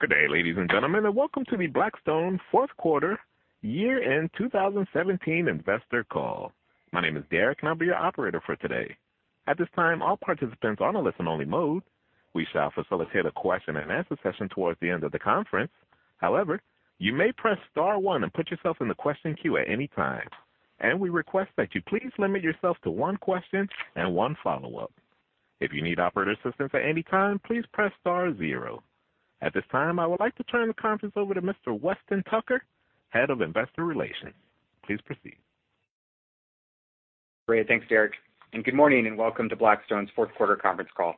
Good day, ladies and gentlemen. Welcome to the Blackstone fourth quarter year-end 2017 investor call. My name is Derek. I'll be your operator for today. At this time, all participants are in a listen-only mode. We shall facilitate a question-and-answer session towards the end of the conference. You may press star one and put yourself in the question queue at any time. We request that you please limit yourself to one question and one follow-up. If you need operator assistance at any time, please press star zero. At this time, I would like to turn the conference over to Weston Tucker, Head of Investor Relations. Please proceed. Great. Thanks, Derek. Good morning. Welcome to Blackstone's fourth quarter conference call.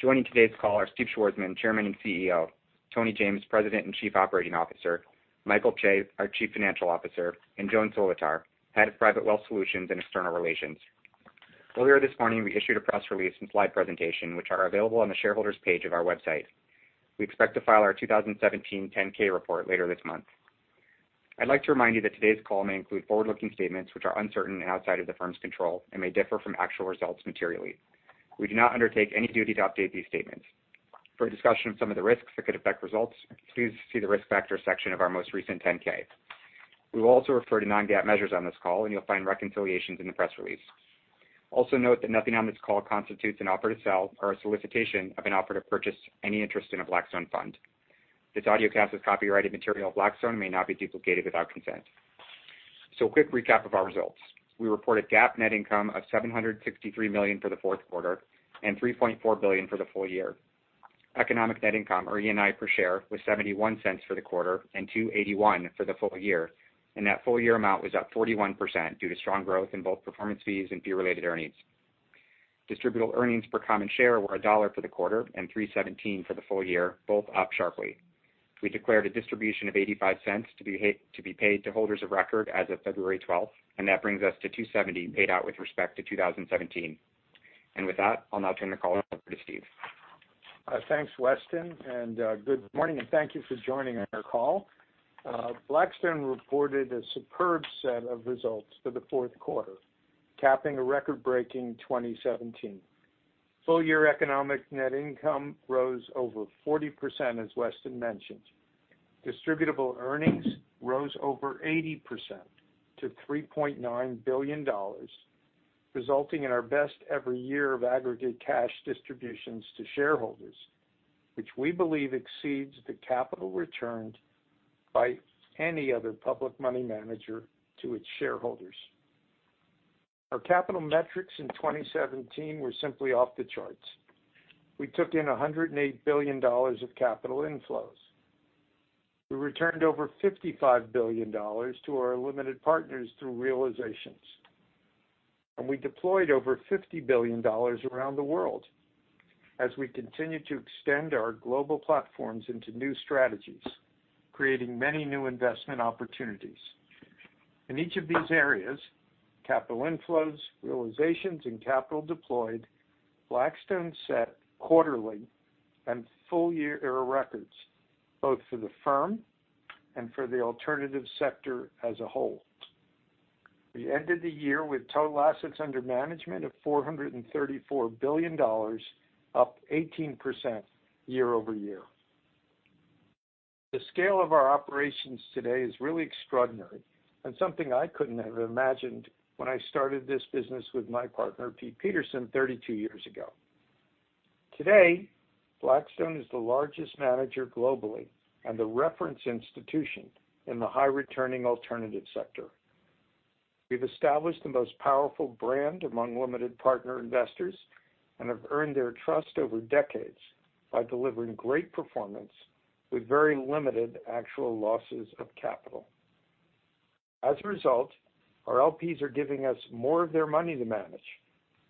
Joining today's call are Steve Schwarzman, Chairman and CEO; Tony James, President and Chief Operating Officer; Michael Chae, our Chief Financial Officer; and Joan Solotar, Head of Private Wealth Solutions and External Relations. Earlier this morning, we issued a press release and slide presentation, which are available on the Shareholders page of our website. We expect to file our 2017 10-K report later this month. I'd like to remind you that today's call may include forward-looking statements, which are uncertain and outside of the firm's control and may differ from actual results materially. We do not undertake any duty to update these statements. For a discussion of some of the risks that could affect results, please see the Risk Factors section of our most recent 10-K. We will also refer to non-GAAP measures on this call. You'll find reconciliations in the press release. Note that nothing on this call constitutes an offer to sell or a solicitation of an offer to purchase any interest in a Blackstone fund. This audiocast is copyrighted material of Blackstone and may not be duplicated without consent. A quick recap of our results. We reported GAAP net income of $763 million for the fourth quarter and $3.4 billion for the full year. Economic net income, or ENI per share, was $0.71 for the quarter and $2.81 for the full year. That full-year amount was up 41% due to strong growth in both performance fees and fee-related earnings. Distributable earnings per common share were $1 for the quarter and $3.17 for the full year, both up sharply. We declared a distribution of $0.85 to be paid to holders of record as of February 12th. That brings us to $2.70 paid out with respect to 2017. With that, I'll now turn the call over to Steve. Thanks, Weston. Good morning, and thank you for joining our call. Blackstone reported a superb set of results for the fourth quarter, capping a record-breaking 2017. Full-year economic net income rose over 40%, as Weston mentioned. Distributable earnings rose over 80% to $3.9 billion, resulting in our best ever year of aggregate cash distributions to shareholders, which we believe exceeds the capital returned by any other public money manager to its shareholders. Our capital metrics in 2017 were simply off the charts. We took in $108 billion of capital inflows. We returned over $55 billion to our limited partners through realizations. We deployed over $50 billion around the world as we continued to extend our global platforms into new strategies, creating many new investment opportunities. In each of these areas, capital inflows, realizations, and capital deployed, Blackstone set quarterly and full-year records, both for the firm and for the alternative sector as a whole. We ended the year with total assets under management of $434 billion, up 18% year-over-year. The scale of our operations today is really extraordinary and something I couldn't have imagined when I started this business with my partner, Pete Peterson, 32 years ago. Today, Blackstone is the largest manager globally and the reference institution in the high-returning alternative sector. We've established the most powerful brand among limited partner investors and have earned their trust over decades by delivering great performance with very limited actual losses of capital. As a result, our LPs are giving us more of their money to manage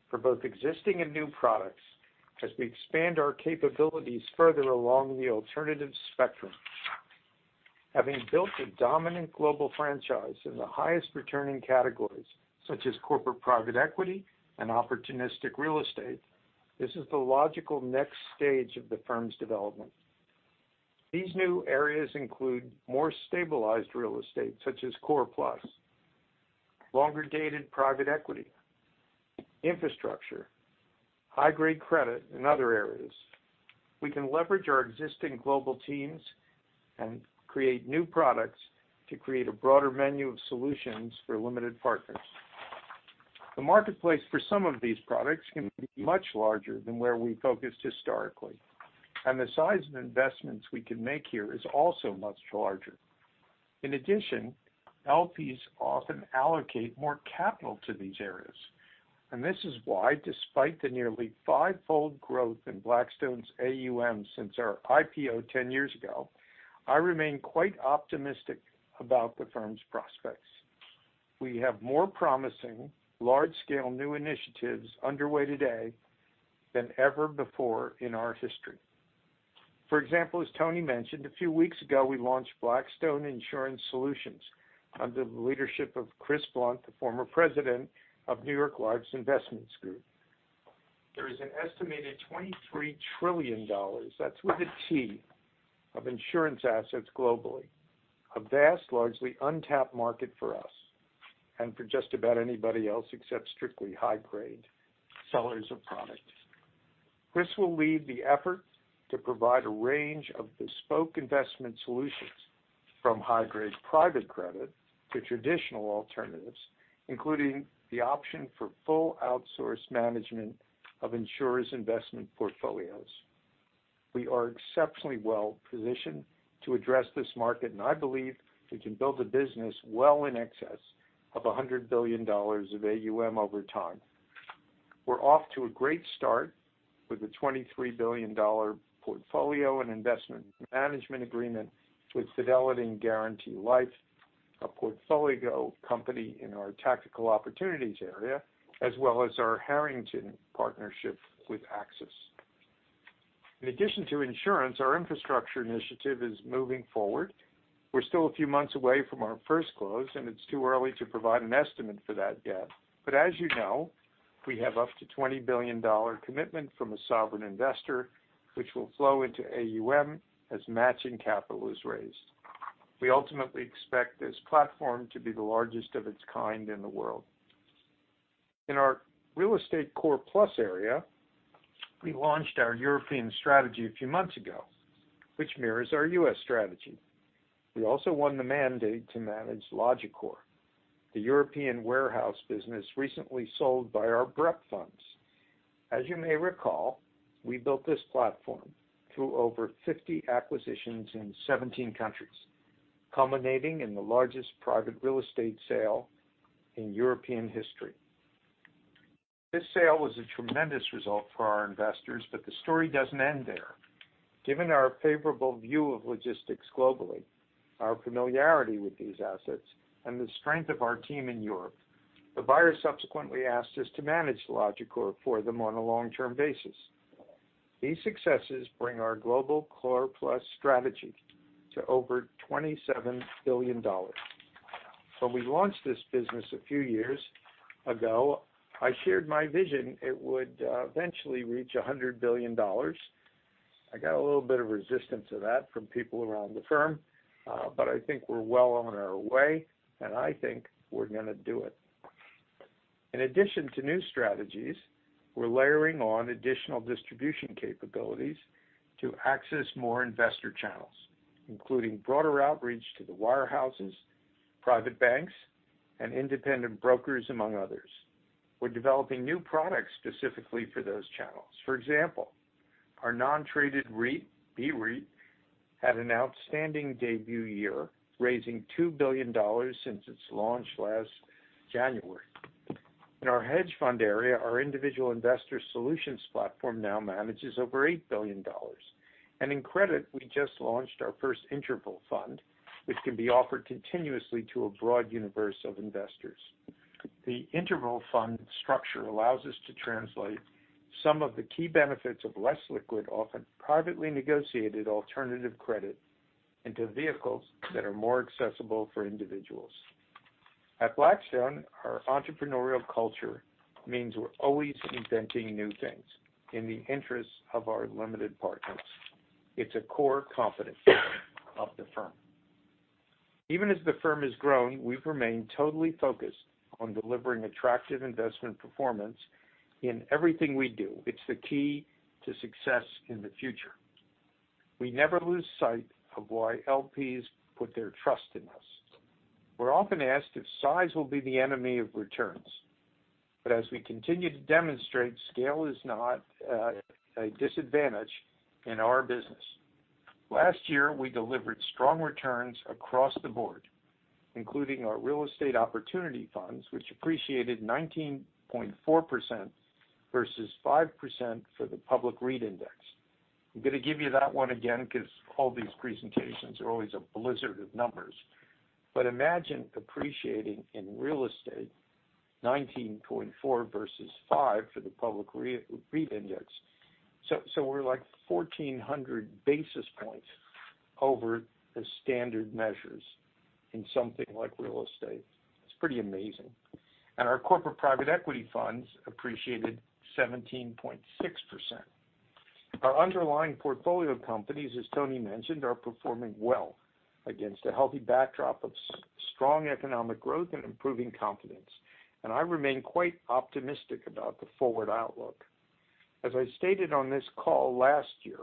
for both existing and new products as we expand our capabilities further along the alternative spectrum. Having built a dominant global franchise in the highest returning categories, such as corporate private equity and opportunistic real estate, this is the logical next stage of the firm's development. These new areas include more stabilized real estate, such as Core+, longer-dated private equity, infrastructure, high-grade credit, and other areas. We can leverage our existing global teams and create new products to create a broader menu of solutions for limited partners. The marketplace for some of these products can be much larger than where we focused historically. The size of investments we can make here is also much larger. In addition, LPs often allocate more capital to these areas. This is why, despite the nearly fivefold growth in Blackstone's AUM since our IPO 10 years ago, I remain quite optimistic about the firm's prospects. We have more promising large-scale new initiatives underway today than ever before in our history. For example, as Tony mentioned, a few weeks ago, we launched Blackstone Insurance Solutions under the leadership of Chris Blunt, the former president of New York Life's Investments group. There is an estimated $23 trillion, that's with a T, of insurance assets globally. A vast, largely untapped market for us and for just about anybody else, except strictly high-grade sellers of product. This will lead the effort to provide a range of bespoke investment solutions from high-grade private credit to traditional alternatives, including the option for full outsourced management of insurers' investment portfolios. We are exceptionally well-positioned to address this market. I believe we can build a business well in excess of $100 billion of AUM over time. We're off to a great start with a $23 billion portfolio and investment management agreement with Fidelity & Guaranty Life, a portfolio company in our Tactical Opportunities area, as well as our Harrington partnership with Axis. In addition to insurance, our infrastructure initiative is moving forward. We're still a few months away from our first close, and it's too early to provide an estimate for that yet. As you know, we have up to $20 billion commitment from a sovereign investor, which will flow into AUM as matching capital is raised. We ultimately expect this platform to be the largest of its kind in the world. In our real estate Core+ area, we launched our European strategy a few months ago, which mirrors our U.S. strategy. We also won the mandate to manage Logicor, the European warehouse business recently sold by our BREP funds. As you may recall, we built this platform through over 50 acquisitions in 17 countries, culminating in the largest private real estate sale in European history. This sale was a tremendous result for our investors. The story doesn't end there. Given our favorable view of logistics globally, our familiarity with these assets, and the strength of our team in Europe, the buyer subsequently asked us to manage Logicor for them on a long-term basis. These successes bring our global Core+ strategy to over $27 billion. When we launched this business a few years ago, I shared my vision it would eventually reach $100 billion. I got a little bit of resistance to that from people around the firm, but I think we're well on our way, and I think we're going to do it. In addition to new strategies, we're layering on additional distribution capabilities to access more investor channels, including broader outreach to the wirehouses, private banks, and independent brokers, among others. We're developing new products specifically for those channels. For example, our non-traded REIT, BREIT, had an outstanding debut year, raising $2 billion since its launch last January. In our hedge fund area, our individual investor solutions platform now manages over $8 billion. In credit, we just launched our first interval fund, which can be offered continuously to a broad universe of investors. The interval fund structure allows us to translate some of the key benefits of less liquid, often privately negotiated alternative credit into vehicles that are more accessible for individuals. At Blackstone, our entrepreneurial culture means we're always inventing new things in the interest of our limited partners. It's a core competence of the firm. Even as the firm has grown, we've remained totally focused on delivering attractive investment performance in everything we do. It's the key to success in the future. We never lose sight of why LPs put their trust in us. We're often asked if size will be the enemy of returns. As we continue to demonstrate, scale is not a disadvantage in our business. Last year, we delivered strong returns across the board, including our real estate opportunity funds, which appreciated 19.4% versus 5% for the public REIT index. I'm going to give you that one again because all these presentations are always a blizzard of numbers. Imagine appreciating in real estate 19.4% versus 5% for the public REIT index. We're like 1,400 basis points over the standard measures in something like real estate. It's pretty amazing. Our corporate private equity funds appreciated 17.6%. Our underlying portfolio companies, as Tony mentioned, are performing well against a healthy backdrop of strong economic growth and improving confidence. I remain quite optimistic about the forward outlook. As I stated on this call last year,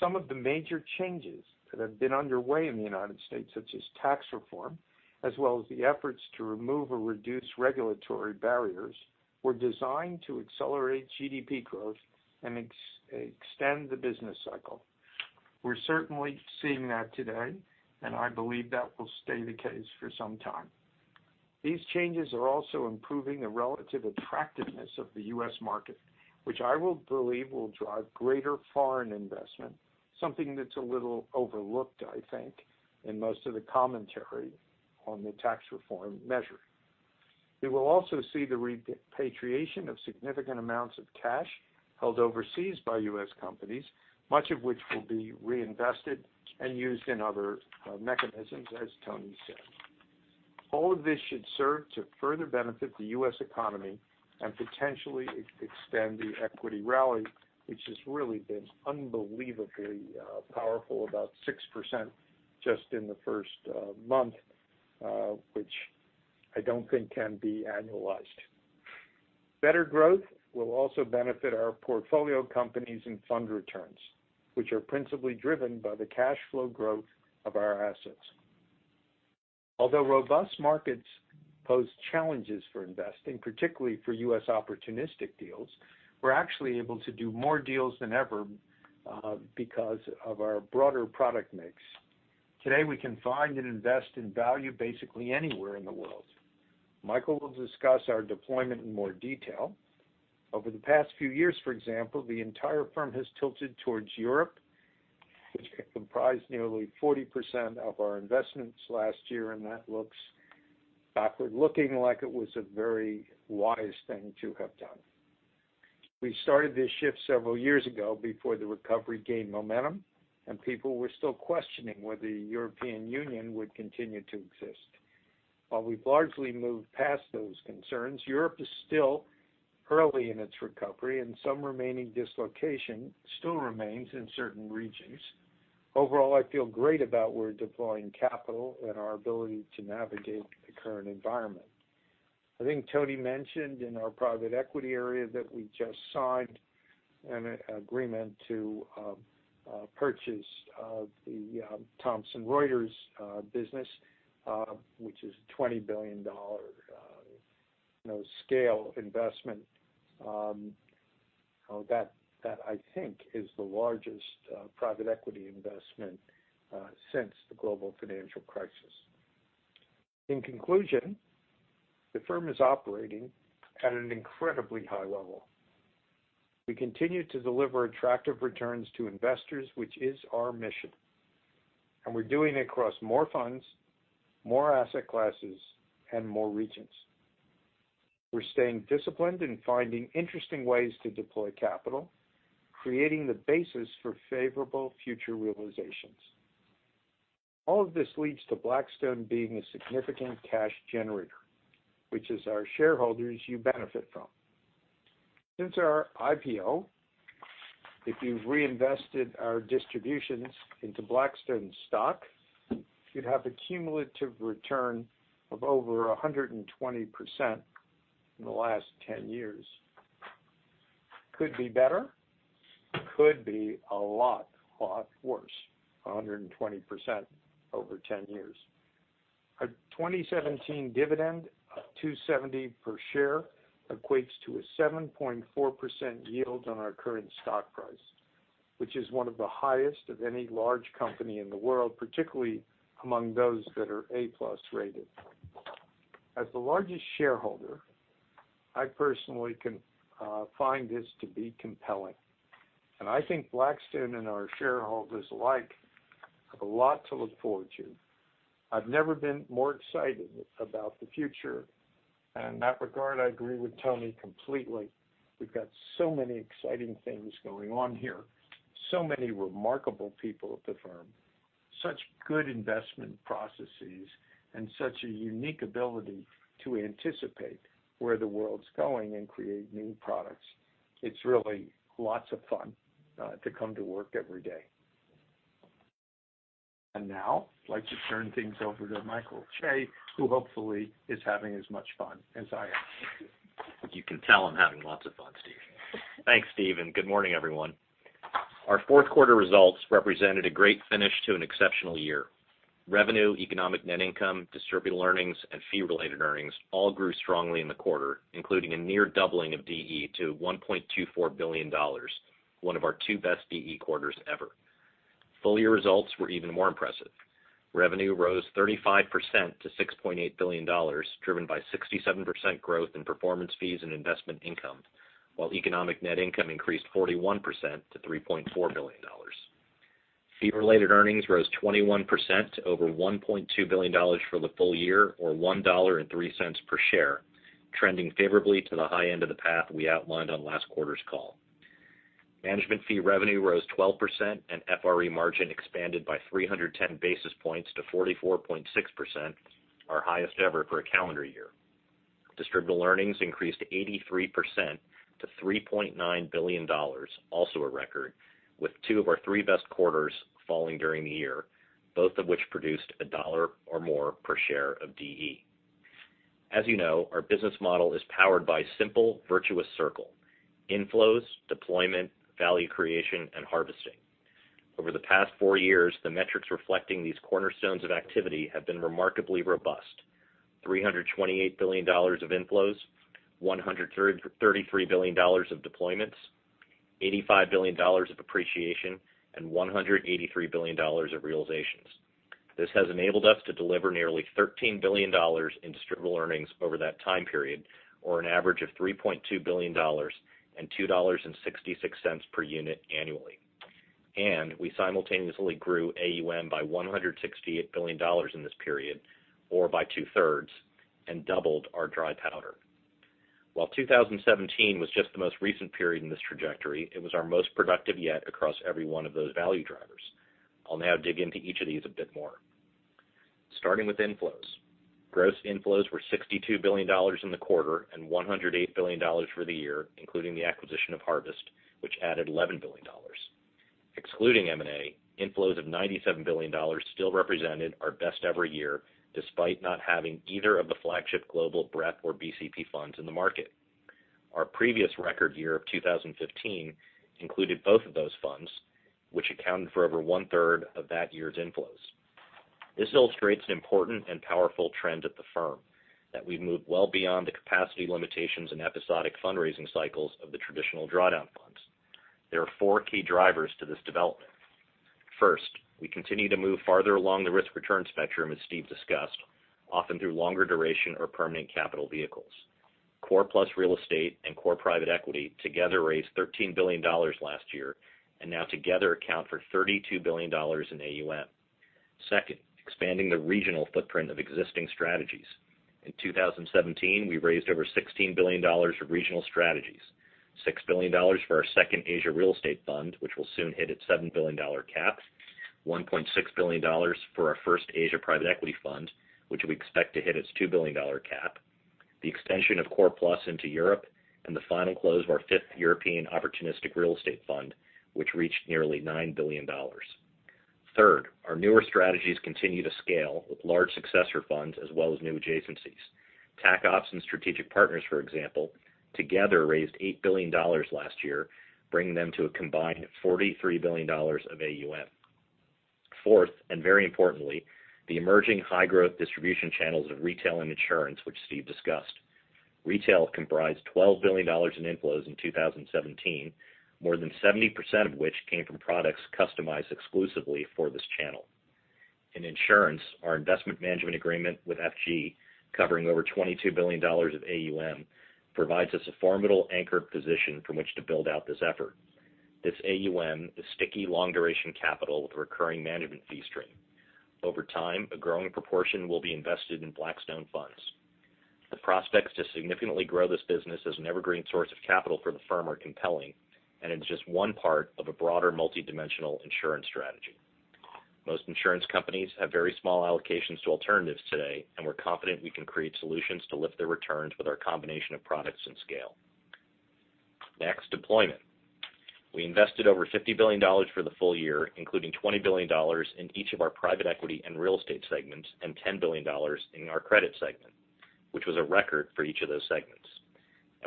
some of the major changes that have been underway in the U.S., such as tax reform, as well as the efforts to remove or reduce regulatory barriers, were designed to accelerate GDP growth and extend the business cycle. We're certainly seeing that today, and I believe that will stay the case for some time. These changes are also improving the relative attractiveness of the U.S. market, which I believe will drive greater foreign investment, something that's a little overlooked, I think, in most of the commentary on the tax reform measure. We will also see the repatriation of significant amounts of cash held overseas by U.S. companies, much of which will be reinvested and used in other mechanisms, as Tony said. All of this should serve to further benefit the U.S. economy and potentially extend the equity rally, which has really been unbelievably powerful, about 6% just in the first month, which I don't think can be annualized. Better growth will also benefit our portfolio companies and fund returns, which are principally driven by the cash flow growth of our assets. Although robust markets pose challenges for investing, particularly for U.S. opportunistic deals, we're actually able to do more deals than ever because of our broader product mix. Today, we can find and invest in value basically anywhere in the world. Michael will discuss our deployment in more detail. Over the past few years, for example, the entire firm has tilted towards Europe, which comprised nearly 40% of our investments last year, and that looks backward, looking like it was a very wise thing to have done. We started this shift several years ago, before the recovery gained momentum and people were still questioning whether the European Union would continue to exist. While we've largely moved past those concerns, Europe is still early in its recovery, and some remaining dislocation still remains in certain regions. Overall, I feel great about where deploying capital and our ability to navigate the current environment. I think Tony mentioned in our private equity area that we just signed an agreement to purchase the Thomson Reuters business, which is a $20 billion scale investment. That, I think, is the largest private equity investment since the global financial crisis. In conclusion, the firm is operating at an incredibly high level. We continue to deliver attractive returns to investors, which is our mission. We're doing it across more funds, more asset classes, and more regions. We're staying disciplined and finding interesting ways to deploy capital, creating the basis for favorable future realizations. All of this leads to Blackstone being a significant cash generator, which as our shareholders, you benefit from. Since our IPO, if you've reinvested our distributions into Blackstone stock, you'd have a cumulative return of over 120% in the last 10 years. Could be better. Could be a lot worse. 120% over 10 years. Our 2017 dividend of $2.70 per share equates to a 7.4% yield on our current stock price, which is one of the highest of any large company in the world, particularly among those that are A-plus rated. As the largest shareholder, I personally can find this to be compelling. I think Blackstone and our shareholders alike have a lot to look forward to. I've never been more excited about the future. In that regard, I agree with Tony completely. We've got so many exciting things going on here, so many remarkable people at the firm, such good investment processes, and such a unique ability to anticipate where the world's going and create new products. It's really lots of fun to come to work every day. Now, I'd like to turn things over to Michael Chae, who hopefully is having as much fun as I am. You can tell I'm having lots of fun, Steve. Thanks, Steve. Good morning, everyone. Our fourth quarter results represented a great finish to an exceptional year. Revenue, economic net income, distributable earnings, and fee-related earnings all grew strongly in the quarter, including a near doubling of DE to $1.24 billion, one of our two best DE quarters ever. Full year results were even more impressive. Revenue rose 35% to $6.8 billion, driven by 67% growth in performance fees and investment income, while economic net income increased 41% to $3.4 billion. Fee-related earnings rose 21% to over $1.2 billion for the full year, or $1.03 per share, trending favorably to the high end of the path we outlined on last quarter's call. Management fee revenue rose 12%, and FRE margin expanded by 310 basis points to 44.6%, our highest ever for a calendar year. Distributable earnings increased 83% to $3.9 billion, also a record, with two of our three best quarters falling during the year, both of which produced a dollar or more per share of DE. As you know, our business model is powered by a simple virtuous circle: inflows, deployment, value creation, and harvesting. Over the past four years, the metrics reflecting these cornerstones of activity have been remarkably robust. $328 billion of inflows, $133 billion of deployments, $85 billion of appreciation, and $183 billion of realizations. This has enabled us to deliver nearly $13 billion in distributable earnings over that time period, or an average of $3.2 billion and $2.66 per unit annually. We simultaneously grew AUM by $168 billion in this period, or by two-thirds, and doubled our dry powder. While 2017 was just the most recent period in this trajectory, it was our most productive yet across every one of those value drivers. I'll now dig into each of these a bit more. Starting with inflows. Gross inflows were $62 billion in the quarter, $108 billion for the year, including the acquisition of Harvest, which added $11 billion. Excluding M&A, inflows of $97 billion still represented our best-ever year, despite not having either of the flagship global BREP or BCP funds in the market. Our previous record year of 2015 included both of those funds, which accounted for over one-third of that year's inflows. This illustrates an important and powerful trend at the firm, that we've moved well beyond the capacity limitations and episodic fundraising cycles of the traditional drawdown funds. There are four key drivers to this development. First, we continue to move farther along the risk-return spectrum, as Steve discussed, often through longer duration or permanent capital vehicles. Core+ Real Estate and Core Private Equity together raised $13 billion last year, and now together account for $32 billion in AUM. Second, expanding the regional footprint of existing strategies. In 2017, we raised over $16 billion of regional strategies, $6 billion for our second Asia real estate fund, which will soon hit its $7 billion cap, $1.6 billion for our first Asia private equity fund, which we expect to hit its $2 billion cap, the extension of Core+ into Europe, and the final close of our fifth European opportunistic real estate fund, which reached nearly $9 billion. Third, our newer strategies continue to scale with large successor funds as well as new adjacencies. Tac Opps and Strategic Partners, for example, together raised $8 billion last year, bringing them to a combined $43 billion of AUM. Fourth, and very importantly, the emerging high-growth distribution channels of retail and insurance, which Steve discussed. Retail comprised $12 billion in inflows in 2017, more than 70% of which came from products customized exclusively for this channel. In insurance, our investment management agreement with FG, covering over $22 billion of AUM, provides us a formidable anchor position from which to build out this effort. This AUM is sticky, long-duration capital with a recurring management fee stream. Over time, a growing proportion will be invested in Blackstone funds. The prospects to significantly grow this business as an evergreen source of capital for the firm are compelling, and it's just one part of a broader multidimensional insurance strategy. Most insurance companies have very small allocations to alternatives today, and we're confident we can create solutions to lift their returns with our combination of products and scale. Next, deployment. We invested over $50 billion for the full year, including $20 billion in each of our private equity and real estate segments, and $10 billion in our credit segment, which was a record for each of those segments.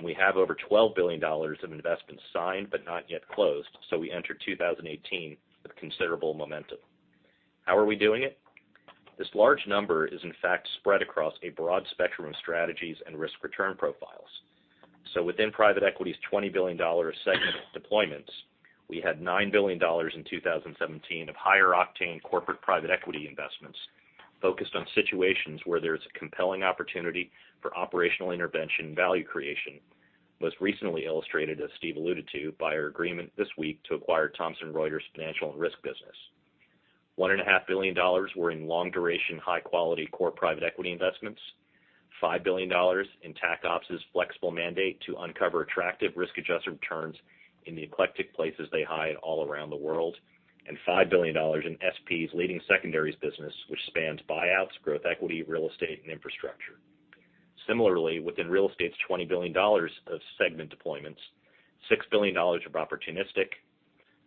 We have over $12 billion of investments signed but not yet closed, so we enter 2018 with considerable momentum. How are we doing it? This large number is in fact spread across a broad spectrum of strategies and risk-return profiles. Within private equity's $20 billion segment deployments, we had $9 billion in 2017 of higher-octane corporate private equity investments focused on situations where there's a compelling opportunity for operational intervention value creation, most recently illustrated, as Steve alluded to, by our agreement this week to acquire Thomson Reuters' Financial and Risk business. $1.5 billion were in long-duration, high-quality Core Private Equity investments, $5 billion in Tac Opps' flexible mandate to uncover attractive risk-adjusted returns in the eclectic places they hide all around the world, and $5 billion in SP's leading secondaries business, which spans buyouts, growth equity, real estate, and infrastructure. Similarly, within real estate's $20 billion of segment deployments, $6 billion of opportunistic,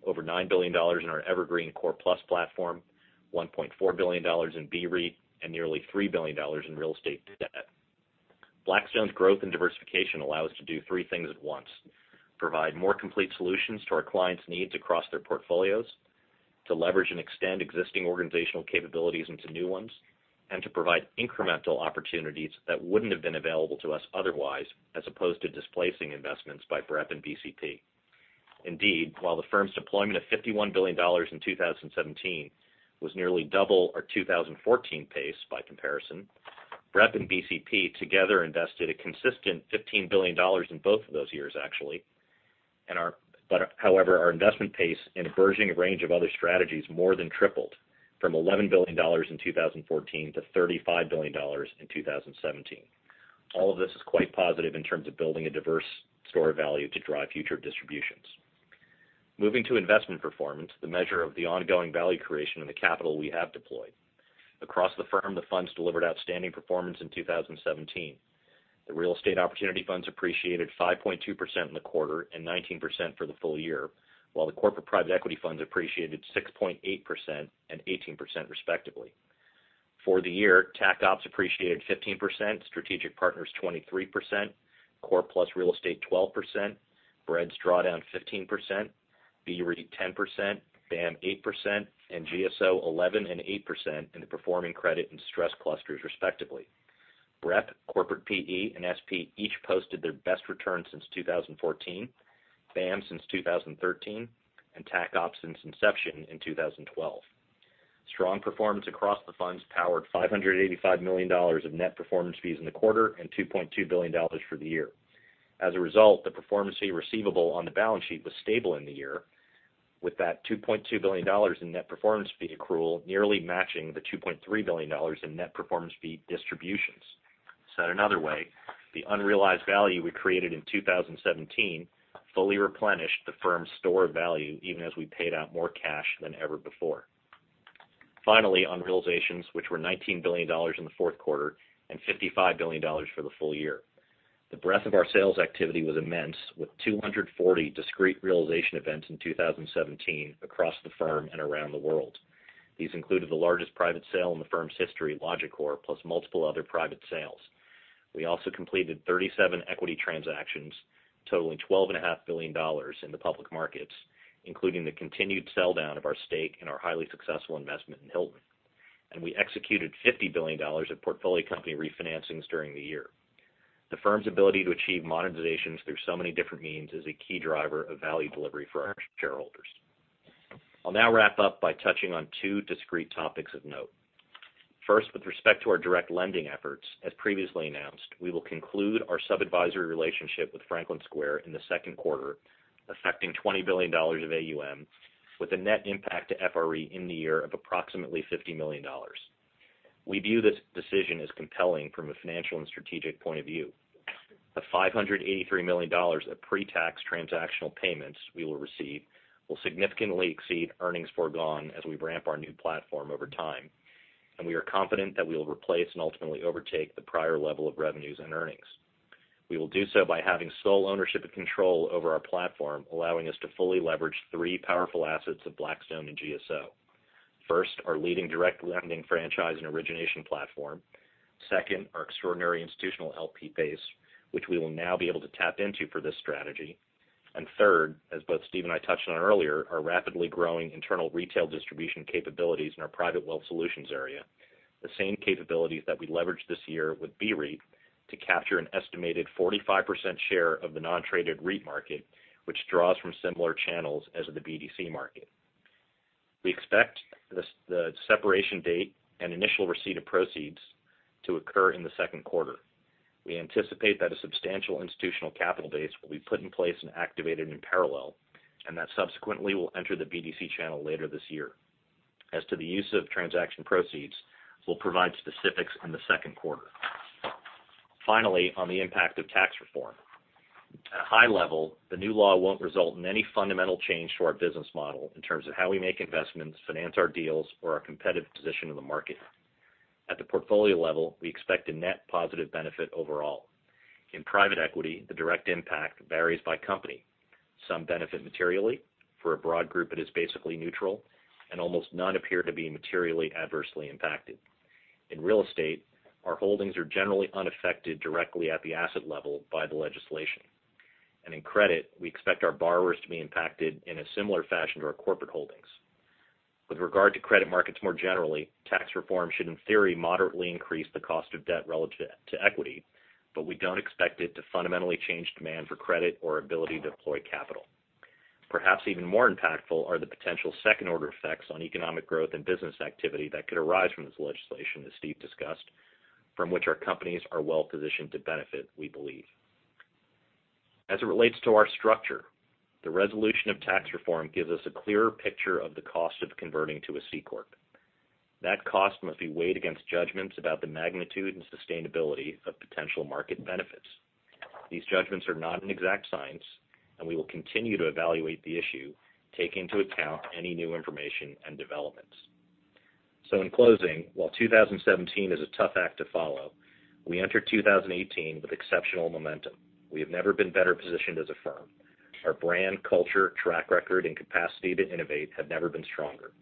over $9 billion in our evergreen Core+ platform, $1.4 billion in BREIT, and nearly $3 billion in real estate debt. Blackstone's growth and diversification allow us to do three things at once: provide more complete solutions to our clients' needs across their portfolios, to leverage and extend existing organizational capabilities into new ones, and to provide incremental opportunities that wouldn't have been available to us otherwise, as opposed to displacing investments by BREP and BCP. Indeed, while the firm's deployment of $51 billion in 2017 was nearly double our 2014 pace, by comparison, BREP and BCP together invested a consistent $15 billion in both of those years, actually. However, our investment pace in a burgeoning range of other strategies more than tripled from $11 billion in 2014 to $35 billion in 2017. All of this is quite positive in terms of building a diverse store of value to drive future distributions. Moving to investment performance, the measure of the ongoing value creation in the capital we have deployed. Across the firm, the funds delivered outstanding performance in 2017. The real estate opportunity funds appreciated 5.2% in the quarter and 19% for the full year, while the corporate private equity funds appreciated 6.8% and 18%, respectively. For the year, Tac Opps appreciated 15%, Strategic Partners 23%, Core+ Real Estate 12%, BREDS drawdown 15%, BREIT 10%, BAAM 8%, and GSO 11% and 8% in the performing credit and stress clusters, respectively. BREP, Corporate PE, and SP each posted their best return since 2014, BAAM since 2013, and Tac Opps since inception in 2012. Strong performance across the funds powered $585 million of net performance fees in the quarter, and $2.2 billion for the year. As a result, the performance fee receivable on the balance sheet was stable in the year. With that $2.2 billion in net performance fee accrual nearly matching the $2.3 billion in net performance fee distributions. Said another way, the unrealized value we created in 2017 fully replenished the firm's stored value, even as we paid out more cash than ever before. Finally, on realizations, which were $19 billion in the fourth quarter and $55 billion for the full year. The breadth of our sales activity was immense, with 240 discrete realization events in 2017 across the firm and around the world. These included the largest private sale in the firm's history, Logicor, plus multiple other private sales. We also completed 37 equity transactions totaling $12.5 billion in the public markets, including the continued sell-down of our stake in our highly successful investment in Hilton. We executed $50 billion of portfolio company refinancings during the year. The firm's ability to achieve monetizations through so many different means is a key driver of value delivery for our shareholders. I'll now wrap up by touching on two discrete topics of note. First, with respect to our direct lending efforts, as previously announced, we will conclude our sub-advisory relationship with Franklin Square in the second quarter, affecting $20 billion of AUM, with a net impact to FRE in the year of approximately $50 million. We view this decision as compelling from a financial and strategic point of view. The $583 million of pre-tax transactional payments we will receive will significantly exceed earnings forgone as we ramp our new platform over time, and we are confident that we will replace and ultimately overtake the prior level of revenues and earnings. We will do so by having sole ownership and control over our platform, allowing us to fully leverage three powerful assets of Blackstone and GSO. First, our leading direct lending franchise and origination platform. Second, our extraordinary institutional LP base, which we will now be able to tap into for this strategy. Third, as both Steve and I touched on earlier, our rapidly growing internal retail distribution capabilities in our private wealth solutions area, the same capabilities that we leveraged this year with BREIT to capture an estimated 45% share of the non-traded REIT market, which draws from similar channels as the BDC market. We expect the separation date and initial receipt of proceeds to occur in the second quarter. We anticipate that a substantial institutional capital base will be put in place and activated in parallel, and that subsequently will enter the BDC channel later this year. As to the use of transaction proceeds, we'll provide specifics in the second quarter. Finally, on the impact of tax reform. At a high level, the new law won't result in any fundamental change to our business model in terms of how we make investments, finance our deals, or our competitive position in the market. At the portfolio level, we expect a net positive benefit overall. In private equity, the direct impact varies by company. Some benefit materially. For a broad group, it is basically neutral, and almost none appear to be materially adversely impacted. In real estate, our holdings are generally unaffected directly at the asset level by the legislation. In credit, we expect our borrowers to be impacted in a similar fashion to our corporate holdings. With regard to credit markets more generally, tax reform should, in theory, moderately increase the cost of debt relative to equity, but we don't expect it to fundamentally change demand for credit or ability to deploy capital. Perhaps even more impactful are the potential second-order effects on economic growth and business activity that could arise from this legislation, as Steve discussed, from which our companies are well positioned to benefit, we believe. As it relates to our structure, the resolution of tax reform gives us a clearer picture of the cost of converting to a C corp. That cost must be weighed against judgments about the magnitude and sustainability of potential market benefits. These judgments are not an exact science. We will continue to evaluate the issue, taking into account any new information and developments. In closing, while 2017 is a tough act to follow, we enter 2018 with exceptional momentum. We have never been better positioned as a firm. Our brand, culture, track record, and capacity to innovate have never been stronger.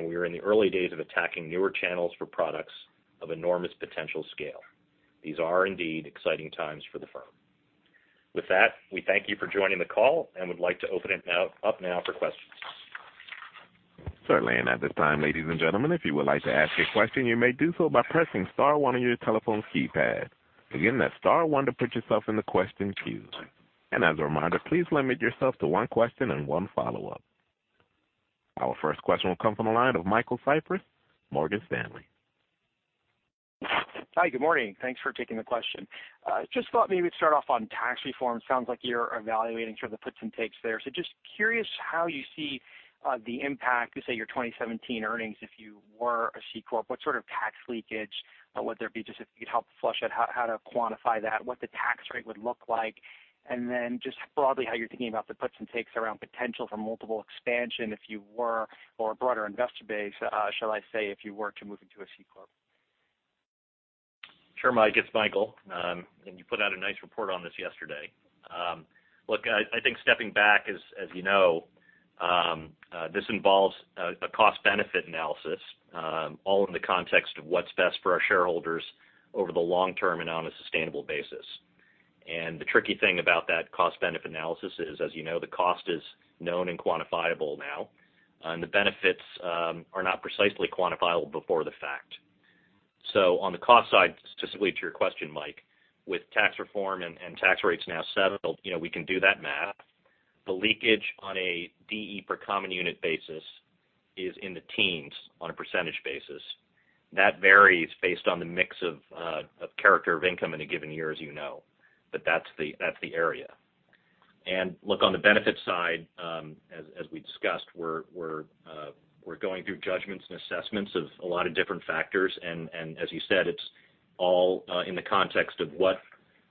We are in the early days of attacking newer channels for products of enormous potential scale. These are indeed exciting times for the firm. With that, we thank you for joining the call and would like to open it up now for questions. Certainly. At this time, ladies and gentlemen, if you would like to ask a question, you may do so by pressing star one on your telephone keypad. Again, that's star one to put yourself in the question queue. As a reminder, please limit yourself to one question and one follow-up. Our first question will come from the line of Michael Cyprys, Morgan Stanley. Hi. Good morning. Thanks for taking the question. Just thought maybe we'd start off on tax reform. Sounds like you're evaluating sort of the puts and takes there. Just curious how you see the impact to, say, your 2017 earnings, if you were a C corp. What sort of tax leakage would there be? Just if you could help flush out how to quantify that, what the tax rate would look like, and then just broadly how you're thinking about the puts and takes around potential for multiple expansion if you were, or a broader investor base, shall I say, if you were to move into a C corp. Sure, Mike. It's Michael. You put out a nice report on this yesterday. Look, I think stepping back, as you know, this involves a cost-benefit analysis, all in the context of what's best for our shareholders over the long term and on a sustainable basis. The tricky thing about that cost-benefit analysis is, as you know, the cost is known and quantifiable now, and the benefits are not precisely quantifiable before the fact. On the cost side, specifically to your question, Mike, with tax reform and tax rates now settled, we can do that math. The leakage on a DE per common unit basis is in the teens on a percentage basis. That varies based on the mix of character of income in a given year, as you know. That's the area. Look, on the benefit side, as we discussed, we're going through judgments and assessments of a lot of different factors, and as you said, it's all in the context of what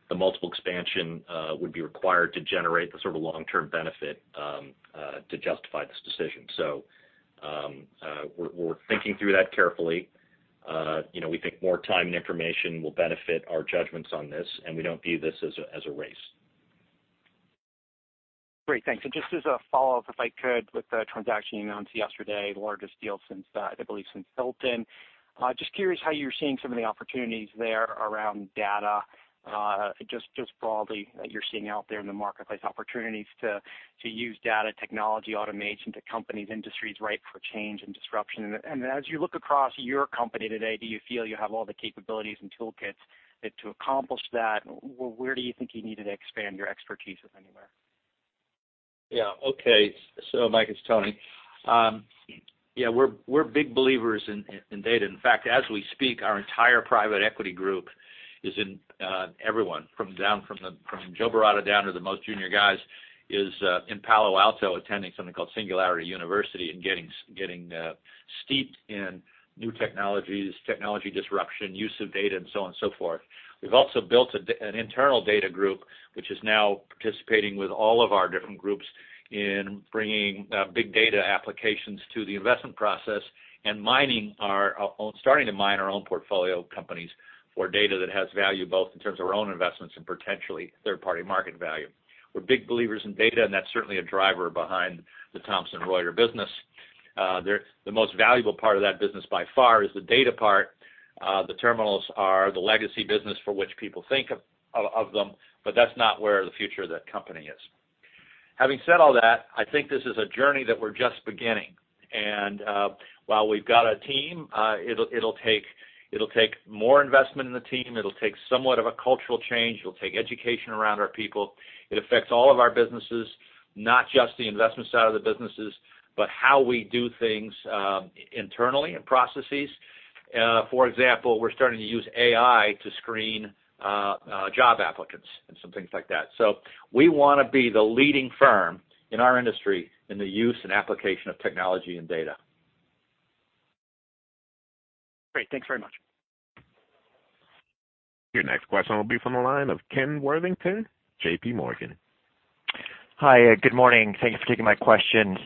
the multiple expansion would be required to generate the sort of long-term benefit to justify this decision. We're thinking through that carefully. We think more time and information will benefit our judgments on this, we don't view this as a race. Great, thanks. Just as a follow-up, if I could, with the transaction you announced yesterday, the largest deal I believe since Hilton. Just curious how you're seeing some of the opportunities there around data, just broadly that you're seeing out there in the marketplace, opportunities to use data technology automation to companies, industries ripe for change and disruption. As you look across your company today, do you feel you have all the capabilities and toolkits to accomplish that? Where do you think you need to expand your expertise, if anywhere? Yeah. Okay. Mike, it's Tony. Yeah, we're big believers in data. In fact, as we speak, our entire private equity group, everyone from Joe Baratta down to the most junior guys, is in Palo Alto attending something called Singularity University and getting steeped in new technologies, technology disruption, use of data, and so on and so forth. We've also built an internal data group, which is now participating with all of our different groups in bringing big data applications to the investment process and starting to mine our own portfolio companies for data that has value, both in terms of our own investments and potentially third-party market value. We're big believers in data, and that's certainly a driver behind the Thomson Reuters business. The most valuable part of that business by far is the data part. The terminals are the legacy business for which people think of them, that's not where the future of that company is. Having said all that, I think this is a journey that we're just beginning. While we've got a team, it'll take more investment in the team. It'll take somewhat of a cultural change. It'll take education around our people. It affects all of our businesses, not just the investment side of the businesses, but how we do things internally and processes. For example, we're starting to use AI to screen job applicants and some things like that. We want to be the leading firm in our industry in the use and application of technology and data. Great. Thanks very much. Your next question will be from the line of Ken Worthington, JP Morgan. Hi. Good morning. Thank you for taking my questions.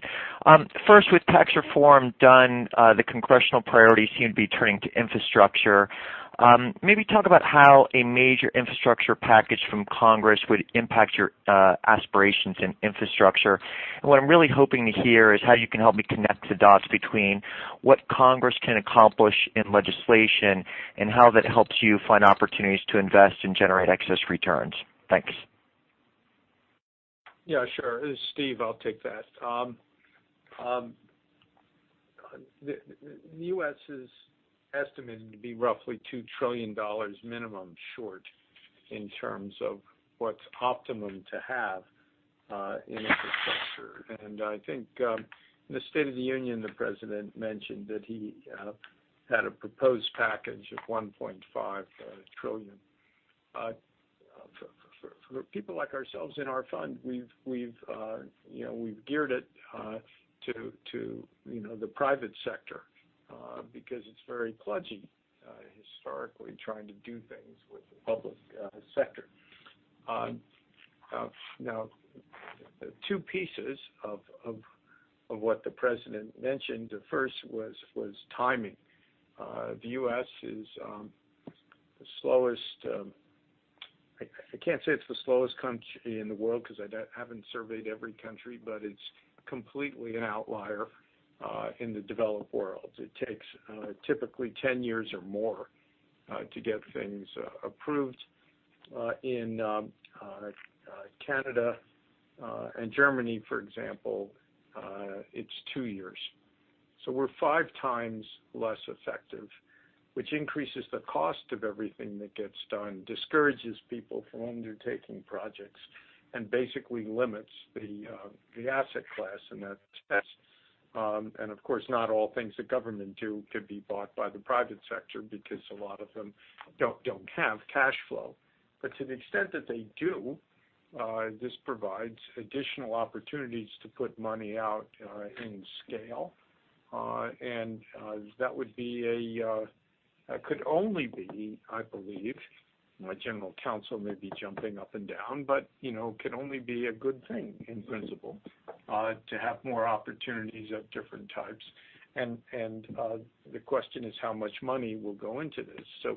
First, with tax reform done, the congressional priorities seem to be turning to infrastructure. Maybe talk about how a major infrastructure package from Congress would impact your aspirations in infrastructure. What I'm really hoping to hear is how you can help me connect the dots between what Congress can accomplish in legislation and how that helps you find opportunities to invest and generate excess returns. Thanks. Yeah, sure. It's Steve, I'll take that. The U.S. is estimated to be roughly $2 trillion minimum short in terms of what's optimum to have in infrastructure. I think in the State of the Union, the president mentioned that he had a proposed package of $1.5 trillion. For people like ourselves in our fund, we've geared it to the private sector because it's very kludgy historically trying to do things with the public sector. Two pieces of what the president mentioned. The first was timing. The U.S. is the slowest, I can't say it's the slowest country in the world because I haven't surveyed every country, but it's completely an outlier in the developed world. It takes typically 10 years or more to get things approved. In Canada and Germany, for example, it's two years. We're five times less effective, which increases the cost of everything that gets done, discourages people from undertaking projects, and basically limits the asset class, and that's that. Of course, not all things that government do could be bought by the private sector because a lot of them don't have cash flow. To the extent that they do, this provides additional opportunities to put money out in scale. That could only be, I believe, my general counsel may be jumping up and down, but could only be a good thing in principle to have more opportunities of different types. The question is how much money will go into this.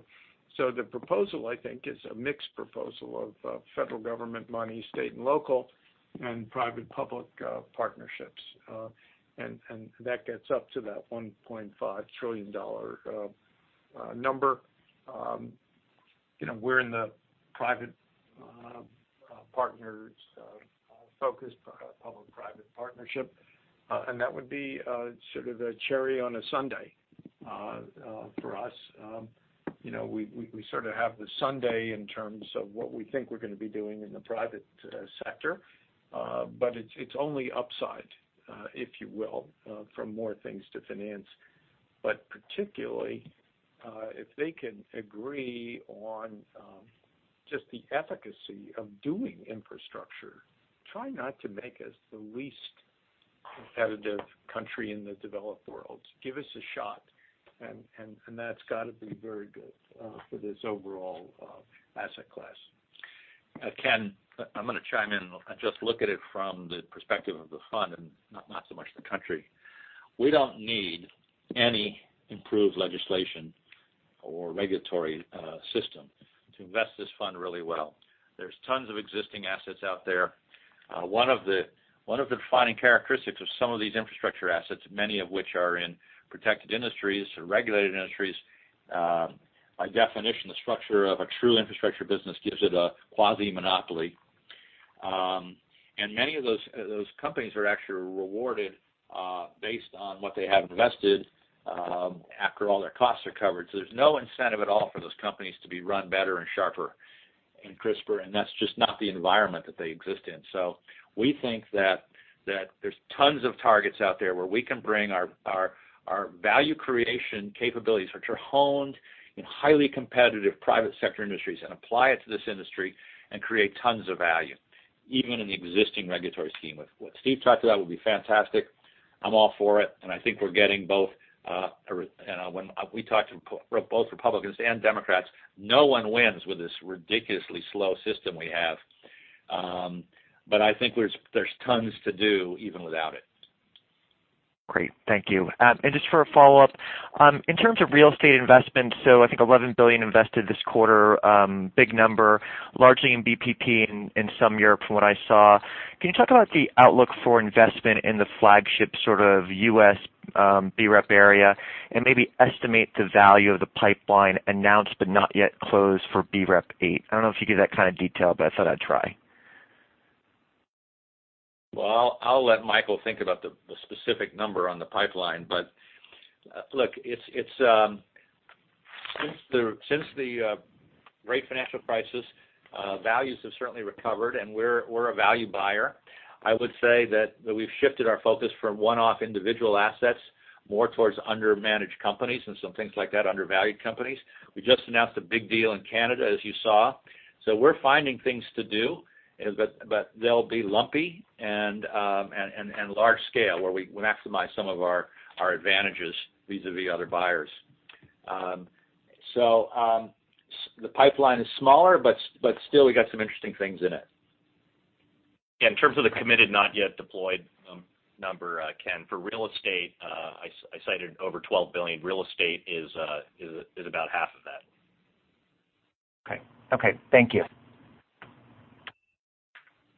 The proposal, I think, is a mixed proposal of federal government money, state and local, and private-public partnerships. That gets up to that $1.5 trillion number. We're in the private partners focus, public-private partnership, that would be sort of a cherry on a sundae. For us, we sort of have the sundae in terms of what we think we're going to be doing in the private sector. It's only upside, if you will, for more things to finance. Particularly, if they can agree on just the efficacy of doing infrastructure, try not to make us the least competitive country in the developed world. Give us a shot, that's got to be very good for this overall asset class. Ken, I'm going to chime in. I just look at it from the perspective of the fund and not so much the country. We don't need any improved legislation or regulatory system to invest this fund really well. There's tons of existing assets out there. One of the defining characteristics of some of these infrastructure assets, many of which are in protected industries or regulated industries. By definition, the structure of a true infrastructure business gives it a quasi-monopoly. Many of those companies are actually rewarded based on what they have invested after all their costs are covered. There's no incentive at all for those companies to be run better and sharper and crisper, that's just not the environment that they exist in. We think that there's tons of targets out there where we can bring our value creation capabilities, which are honed in highly competitive private sector industries, and apply it to this industry and create tons of value, even in the existing regulatory scheme. What Steve talked about would be fantastic. I'm all for it. I think we're getting both. When we talk to both Republicans and Democrats, no one wins with this ridiculously slow system we have. I think there's tons to do even without it. Great. Thank you. Just for a follow-up, in terms of real estate investment, I think $11 billion invested this quarter, big number, largely in BPP in some Europe, from what I saw. Can you talk about the outlook for investment in the flagship U.S. BREP area and maybe estimate the value of the pipeline announced not yet closed for BREP VIII? I don't know if you give that kind of detail, I thought I'd try. Well, I'll let Michael think about the specific number on the pipeline. Look, since the great financial crisis, values have certainly recovered, and we're a value buyer. I would say that we've shifted our focus from one-off individual assets more towards under-managed companies and some things like that, undervalued companies. We just announced a big deal in Canada, as you saw. We're finding things to do, they'll be lumpy and large scale, where we maximize some of our advantages vis-à-vis other buyers. The pipeline is smaller, still we got some interesting things in it. In terms of the committed, not yet deployed number, Ken, for real estate, I cited over $12 billion. Real estate is about half of that. Okay. Thank you.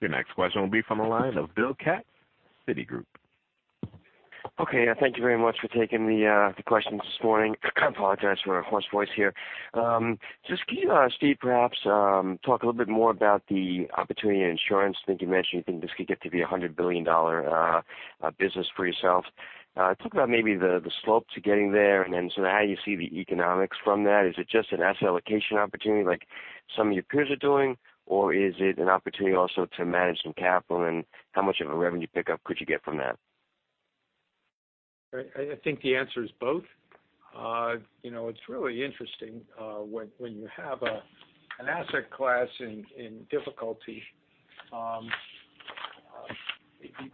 Your next question will be from the line of Bill Katz, Citigroup. Okay. Thank you very much for taking the questions this morning. I apologize for a hoarse voice here. Just can you, Steve, perhaps talk a little bit more about the opportunity in insurance? I think you mentioned you think this could get to be a $100 billion business for yourself. Talk about maybe the slope to getting there, and then sort of how you see the economics from that. Is it just an asset allocation opportunity like some of your peers are doing, or is it an opportunity also to manage some capital? How much of a revenue pickup could you get from that? I think the answer is both. It's really interesting when you have an asset class in difficulty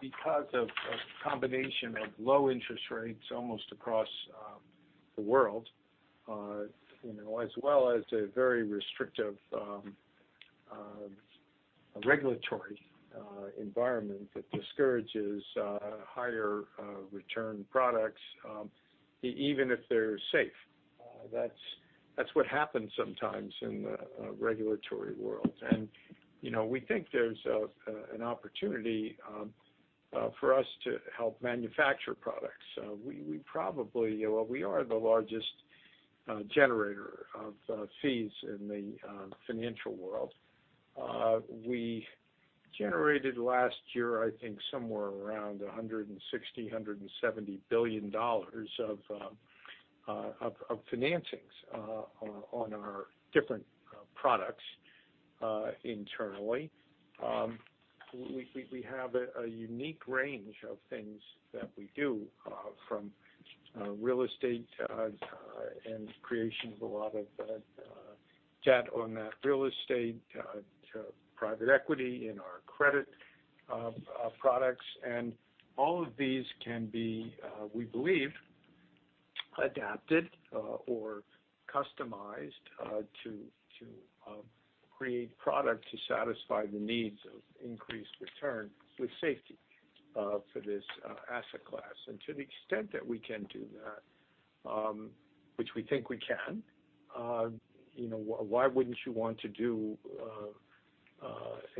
because of a combination of low interest rates almost across the world, as well as a very restrictive regulatory environment that discourages higher return products even if they're safe. That's what happens sometimes in the regulatory world. We think there's an opportunity for us to help manufacture products. We are the largest generator of fees in the financial world. We generated last year, I think, somewhere around $160 billion-$170 billion of financings on our different products internally. We have a unique range of things that we do from real estate and creation of a lot of debt on that real estate to private equity in our credit products. All of these can be, we believe, adapted or customized to create product to satisfy the needs of increased return with safety for this asset class. To the extent that we can do that, which we think we can, why wouldn't you want to do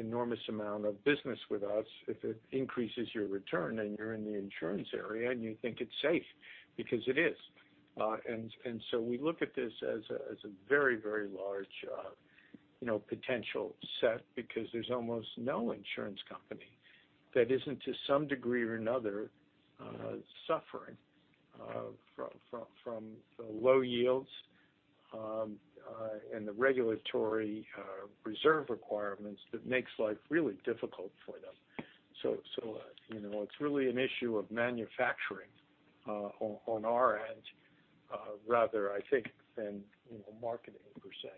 enormous amount of business with us if it increases your return and you're in the insurance area and you think it's safe? Because it is. We look at this as a very large potential set because there's almost no insurance company that isn't to some degree or another, suffering from the low yields and the regulatory reserve requirements that makes life really difficult for them. It's really an issue of manufacturing on our end, rather, I think than marketing per se.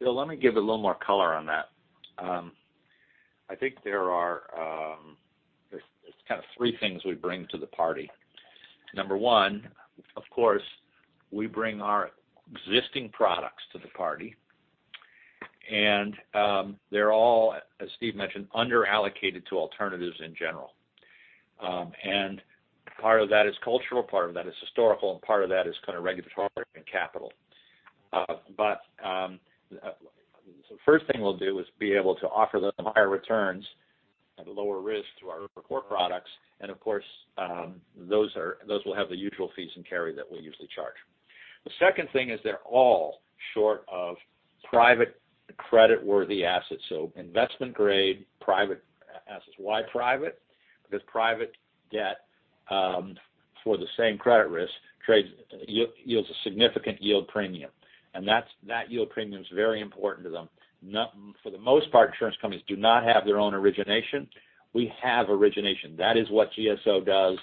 Bill, let me give a little more color on that. I think there's kind of 3 things we bring to the party. Number one, of course, we bring our existing products to the party. They're all, as Steve mentioned, under-allocated to alternatives in general. Part of that is cultural, part of that is historical, and part of that is kind of regulatory and capital. The first thing we'll do is be able to offer them higher returns at a lower risk through our core products. Of course, those will have the usual fees and carry that we usually charge. The second thing is they're all short of private creditworthy assets. Investment-grade private assets. Why private? Private debt, for the same credit risk, yields a significant yield premium. That yield premium is very important to them. For the most part, insurance companies do not have their own origination. We have origination. That is what GSO does.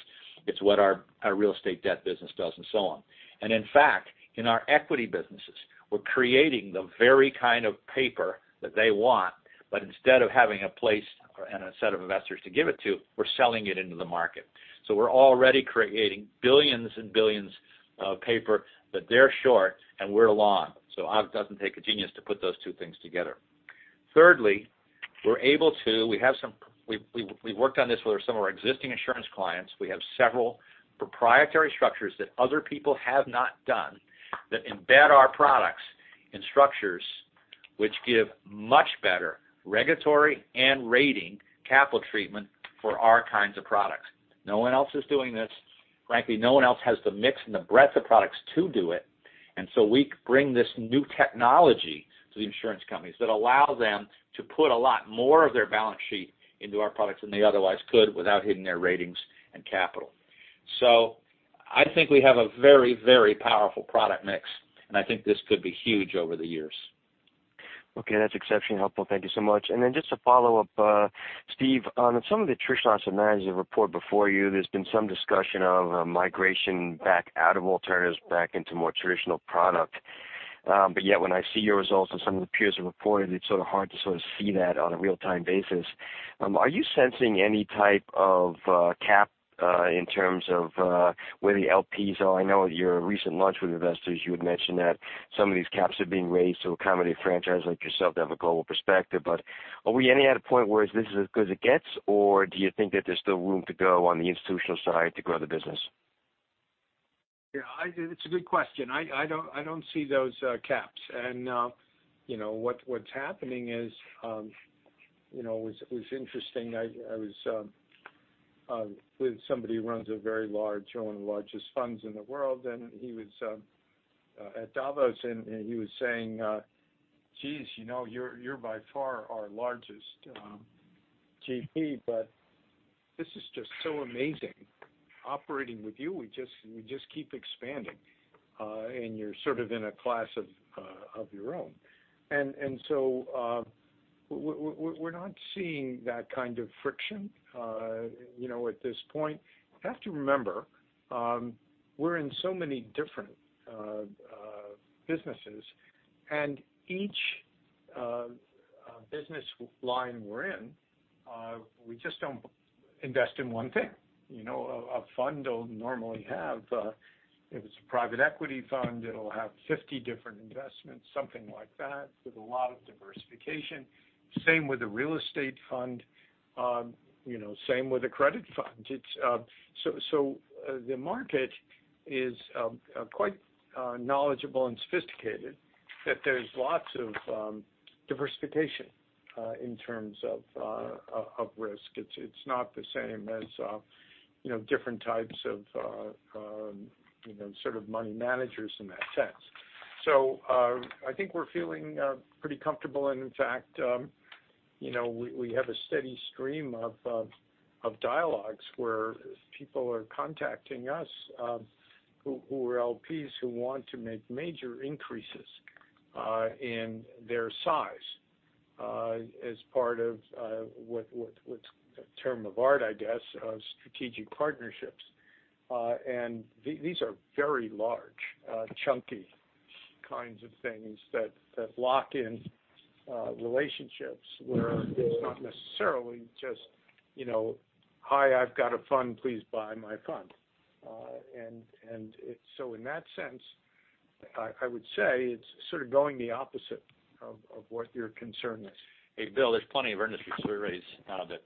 It's what our real estate debt business does, and so on. In fact, in our equity businesses, we're creating the very kind of paper that they want. Instead of having a place and a set of investors to give it to, we're selling it into the market. We're already creating billions and billions of paper that they're short and we're long. It doesn't take a genius to put those 2 things together. Thirdly, we've worked on this with some of our existing insurance clients. We have several proprietary structures that other people have not done that embed our products in structures which give much better regulatory and rating capital treatment for our kinds of products. No one else is doing this. Frankly, no one else has the mix and the breadth of products to do it. We bring this new technology to the insurance companies that allow them to put a lot more of their balance sheet into our products than they otherwise could without hitting their ratings and capital. I think we have a very, very powerful product mix, and I think this could be huge over the years. Okay, that's exceptionally helpful. Thank you so much. Just a follow-up, Steve, on some of the traditional asset managers that report before you, there's been some discussion of migration back out of alternatives back into more traditional product. Yet when I see your results and some of the peers have reported, it's sort of hard to see that on a real-time basis. Are you sensing any type of cap in terms of where the LPs are? I know at your recent lunch with investors, you had mentioned that some of these caps are being raised to accommodate a franchise like yourself that have a global perspective. Are we at a point where this is as good as it gets? Do you think that there's still room to go on the institutional side to grow the business? Yeah, it's a good question. I don't see those caps. What's happening is, it was interesting. I was with somebody who runs one of the largest funds in the world, and he was at Davos, and he was saying, "Geez, you're by far our largest GP, but this is just so amazing operating with you. We just keep expanding, and you're sort of in a class of your own." We're not seeing that kind of friction at this point. You have to remember, we're in so many different businesses, and each business line we're in, we just don't invest in one thing. A fund will normally have, if it's a private equity fund, it'll have 50 different investments, something like that, with a lot of diversification. Same with a real estate fund. Same with a credit fund. The market is quite knowledgeable and sophisticated that there's lots of diversification in terms of risk. It's not the same as different types of money managers in that sense. I think we're feeling pretty comfortable. In fact we have a steady stream of dialogues where people are contacting us who are LPs who want to make major increases in their size as part of what's a term of art, I guess, strategic partnerships. These are very large, chunky kinds of things that lock in relationships where it's not necessarily just, "Hi, I've got a fund, please buy my fund." In that sense, I would say it's sort of going the opposite of what your concern is. Hey, Bill, there's plenty of industry surveys that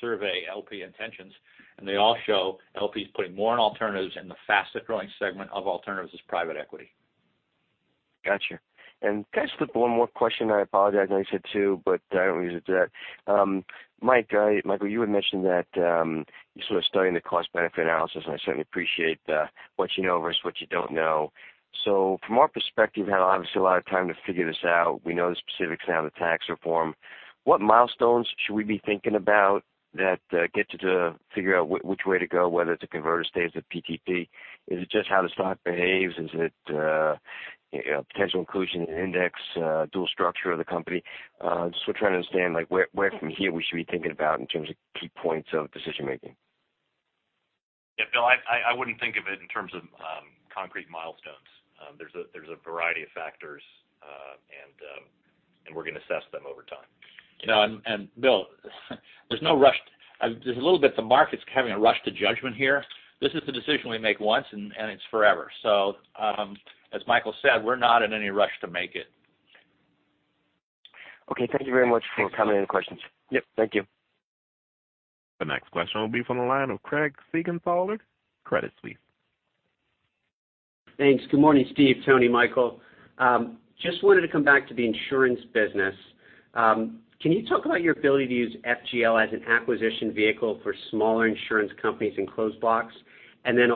survey LP intentions, they all show LPs putting more in alternatives, and the fastest-growing segment of alternatives is private equity. Got you. Can I slip one more question in? I apologize. I know you said two, but I don't want to use it today. Michael, you had mentioned that you're sort of studying the cost-benefit analysis, I certainly appreciate the what you know versus what you don't know. From our perspective, had obviously a lot of time to figure this out. We know the specifics now of the tax reform. What milestones should we be thinking about that get you to figure out which way to go, whether to convert or stay as a PTP? Is it just how the stock behaves? Is it potential inclusion in index, dual structure of the company? Just we're trying to understand where from here we should be thinking about in terms of key points of decision-making. Yeah, Bill, I wouldn't think of it in terms of concrete milestones. There's a variety of factors, and we're going to assess them over time. Bill, there's no rush. There's a little bit the market's having a rush to judgment here. This is the decision we make once, and it's forever. As Michael said, we're not in any rush to make it. Okay. Thank you very much for accommodating the questions. Yep. Thank you. The next question will be from the line of Craig Siegenthaler, Credit Suisse. Thanks. Good morning, Steve, Tony, Michael. Wanted to come back to the insurance business. Can you talk about your ability to use FGL as an acquisition vehicle for smaller insurance companies and closed blocks?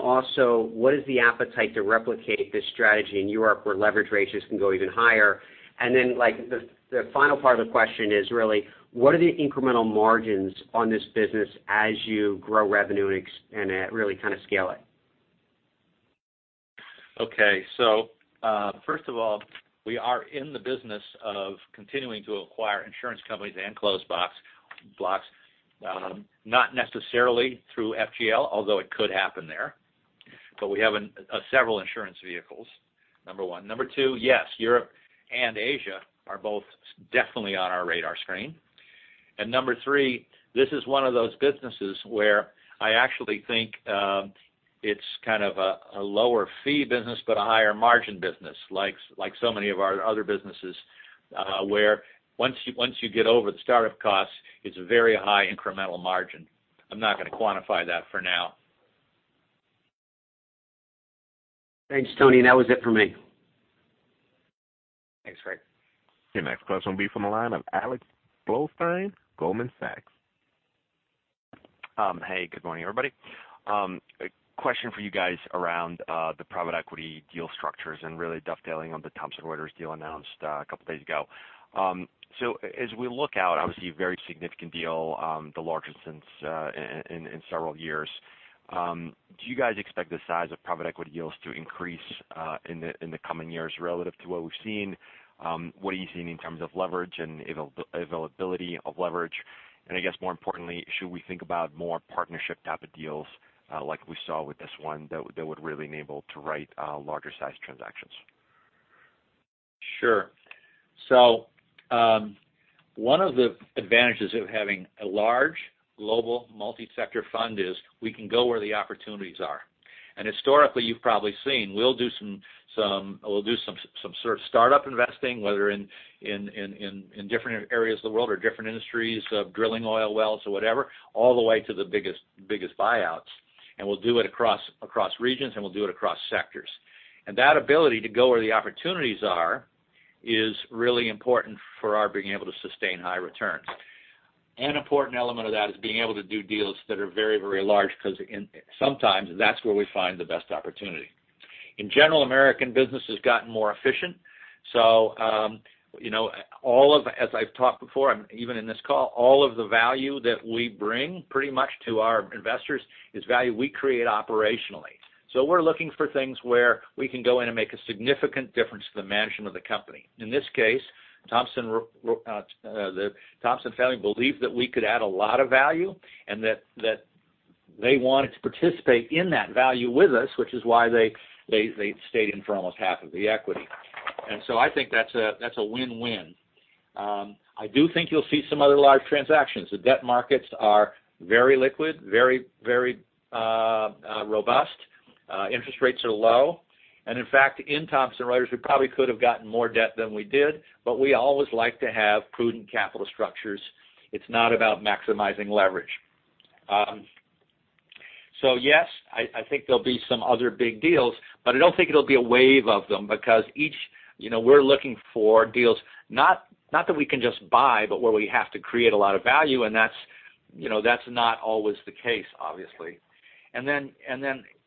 Also, what is the appetite to replicate this strategy in Europe where leverage ratios can go even higher? The final part of the question is really what are the incremental margins on this business as you grow revenue and really kind of scale it? Okay. First of all, we are in the business of continuing to acquire insurance companies and closed blocks. Not necessarily through FGL, although it could happen there. We have several insurance vehicles, number one. Number two, yes, Europe and Asia are both definitely on our radar screen. Number three, this is one of those businesses where I actually think it's kind of a lower fee business, but a higher margin business, like so many of our other businesses, where once you get over the start-up costs, it's a very high incremental margin. I'm not going to quantify that for now. Thanks, Tony. That was it for me. Thanks, Craig. Your next question will be from the line of Alex Blostein, Goldman Sachs. Hey, good morning, everybody. A question for you guys around the private equity deal structures and really dovetailing on the Thomson Reuters deal announced a couple days ago. As we look out, obviously a very significant deal, the largest in several years. Do you guys expect the size of private equity deals to increase in the coming years relative to what we've seen? What are you seeing in terms of leverage and availability of leverage? I guess more importantly, should we think about more partnership type of deals, like we saw with this one that would really enable to write larger sized transactions? Sure. One of the advantages of having a large global multi-sector fund is we can go where the opportunities are. Historically, you've probably seen we'll do some sort of startup investing, whether in different areas of the world or different industries, drilling oil wells or whatever, all the way to the biggest buyouts. We'll do it across regions, and we'll do it across sectors. That ability to go where the opportunities are is really important for our being able to sustain high returns. An important element of that is being able to do deals that are very large, because sometimes that's where we find the best opportunity. In general, American business has gotten more efficient. As I've talked before, even in this call, all of the value that we bring pretty much to our investors is value we create operationally. We're looking for things where we can go in and make a significant difference to the management of the company. In this case, the Thomson family believed that we could add a lot of value and that they wanted to participate in that value with us, which is why they stayed in for almost half of the equity. I think that's a win-win. I do think you'll see some other large transactions. The debt markets are very liquid, very robust. Interest rates are low. In fact, in Thomson Reuters, we probably could have gotten more debt than we did, but we always like to have prudent capital structures. It's not about maximizing leverage. Yes, I think there'll be some other big deals, but I don't think it'll be a wave of them because we're looking for deals not that we can just buy, but where we have to create a lot of value, and that's not always the case, obviously.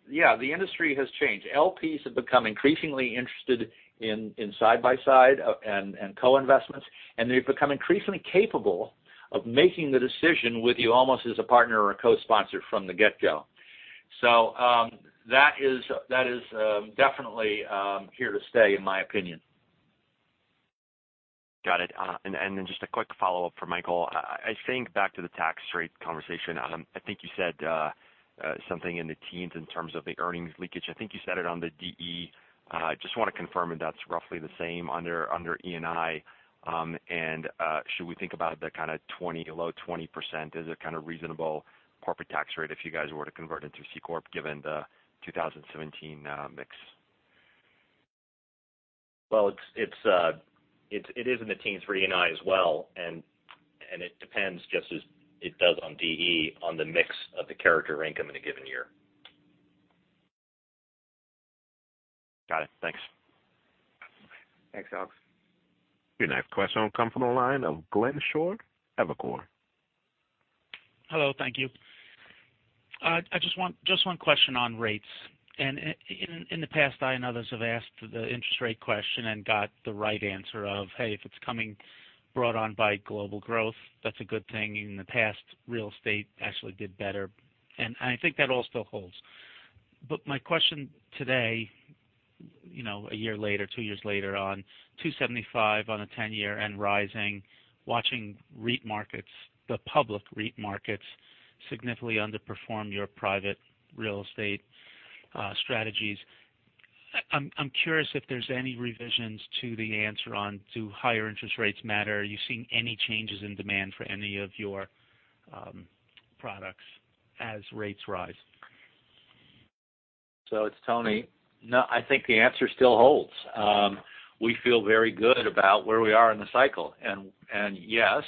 Yeah, the industry has changed. LPs have become increasingly interested in side-by-side and co-investments, and they've become increasingly capable of making the decision with you almost as a partner or a co-sponsor from the get-go. That is definitely here to stay in my opinion. Got it. Just a quick follow-up for Michael. I think back to the tax rate conversation. I think you said something in the teens in terms of the earnings leakage. I think you said it on the DE. I just want to confirm if that's roughly the same under ENI. Should we think about the kind of low 20% as a kind of reasonable corporate tax rate if you guys were to convert into C corp given the 2017 mix? Well, it is in the teens for ENI as well, it depends just as it does on DE on the mix of the character income in a given year. Got it. Thanks. Thanks, Alex. Your next question will come from the line of Glenn Schorr, Evercore. Hello, thank you. Just one question on rates. In the past, I and others have asked the interest rate question and got the right answer of, hey, if it's coming brought on by global growth, that's a good thing. In the past, real estate actually did better, and I think that all still holds. My question today, a year later, two years later on, 275 on a 10-year and rising, watching REIT markets, the public REIT markets, significantly underperform your private real estate strategies. I'm curious if there's any revisions to the answer on, do higher interest rates matter? Are you seeing any changes in demand for any of your products as rates rise? It's Tony. No, I think the answer still holds. We feel very good about where we are in the cycle. Yes,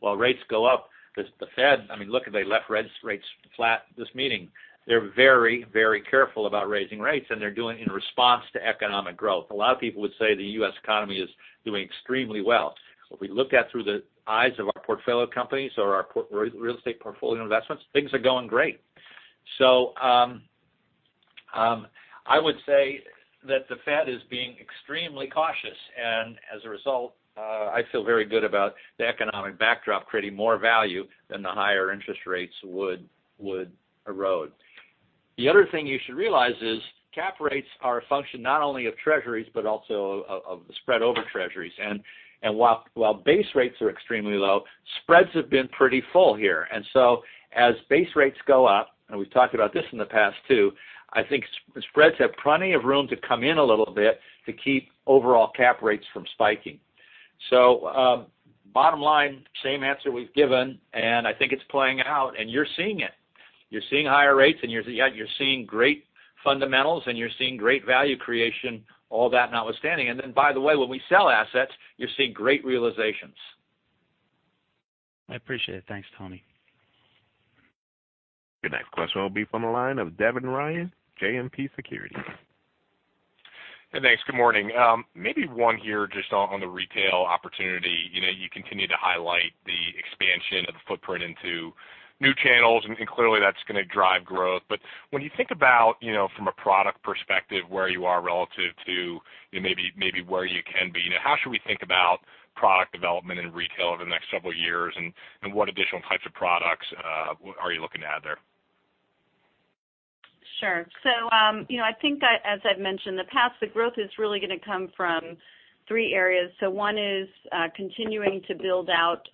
while rates go up, because the Fed, look, they left rates flat this meeting. They're very, very careful about raising rates, and they're doing it in response to economic growth. A lot of people would say the U.S. economy is doing extremely well. If we looked at through the eyes of our portfolio companies or our real estate portfolio investments, things are going great. I would say that the Fed is being extremely cautious, and as a result, I feel very good about the economic backdrop creating more value than the higher interest rates would erode. The other thing you should realize is cap rates are a function not only of Treasuries, but also of the spread over Treasuries. While base rates are extremely low, spreads have been pretty full here. As base rates go up, and we've talked about this in the past too, I think spreads have plenty of room to come in a little bit to keep overall cap rates from spiking. Bottom line, same answer we've given, and I think it's playing out, and you're seeing it. You're seeing higher rates, and yet you're seeing great fundamentals, and you're seeing great value creation, all that notwithstanding. By the way, when we sell assets, you're seeing great realizations. I appreciate it. Thanks, Tony. Your next question will be from the line of Devin Ryan, JMP Securities. Thanks. Good morning. Maybe one here just on the retail opportunity. You continue to highlight the expansion of the footprint into new channels, clearly that's going to drive growth. When you think about from a product perspective, where you are relative to maybe where you can be. How should we think about product development in retail over the next several years, and what additional types of products are you looking to add there? Sure. I think as I've mentioned in the past, the growth is really going to come from 3 areas. One is continuing to build out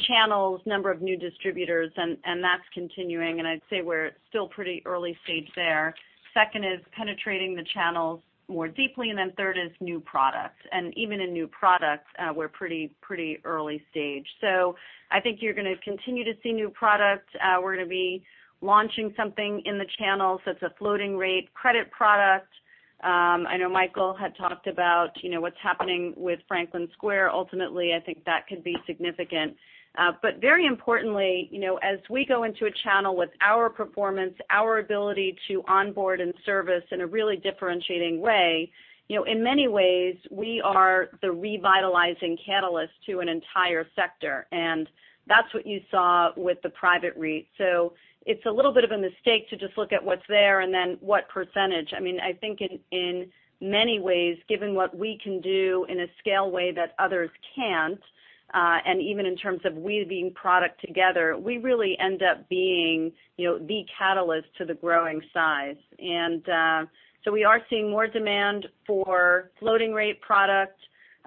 channels, number of new distributors, and that's continuing, and I'd say we're still pretty early stage there. Second is penetrating the channels more deeply, third is new products. Even in new products, we're pretty early stage. I think you're going to continue to see new products. We're going to be launching something in the channels that's a floating rate credit product. I know Michael had talked about what's happening with Franklin Square. Ultimately, I think that could be significant. Very importantly, as we go into a channel with our performance, our ability to onboard and service in a really differentiating way, in many ways, we are the revitalizing catalyst to an entire sector, and that's what you saw with the private REIT. It's a little bit of a mistake to just look at what's there and then what percentage. I think in many ways, given what we can do in a scale way that others can't, even in terms of weaving product together, we really end up being the catalyst to the growing size. We are seeing more demand for floating rate product,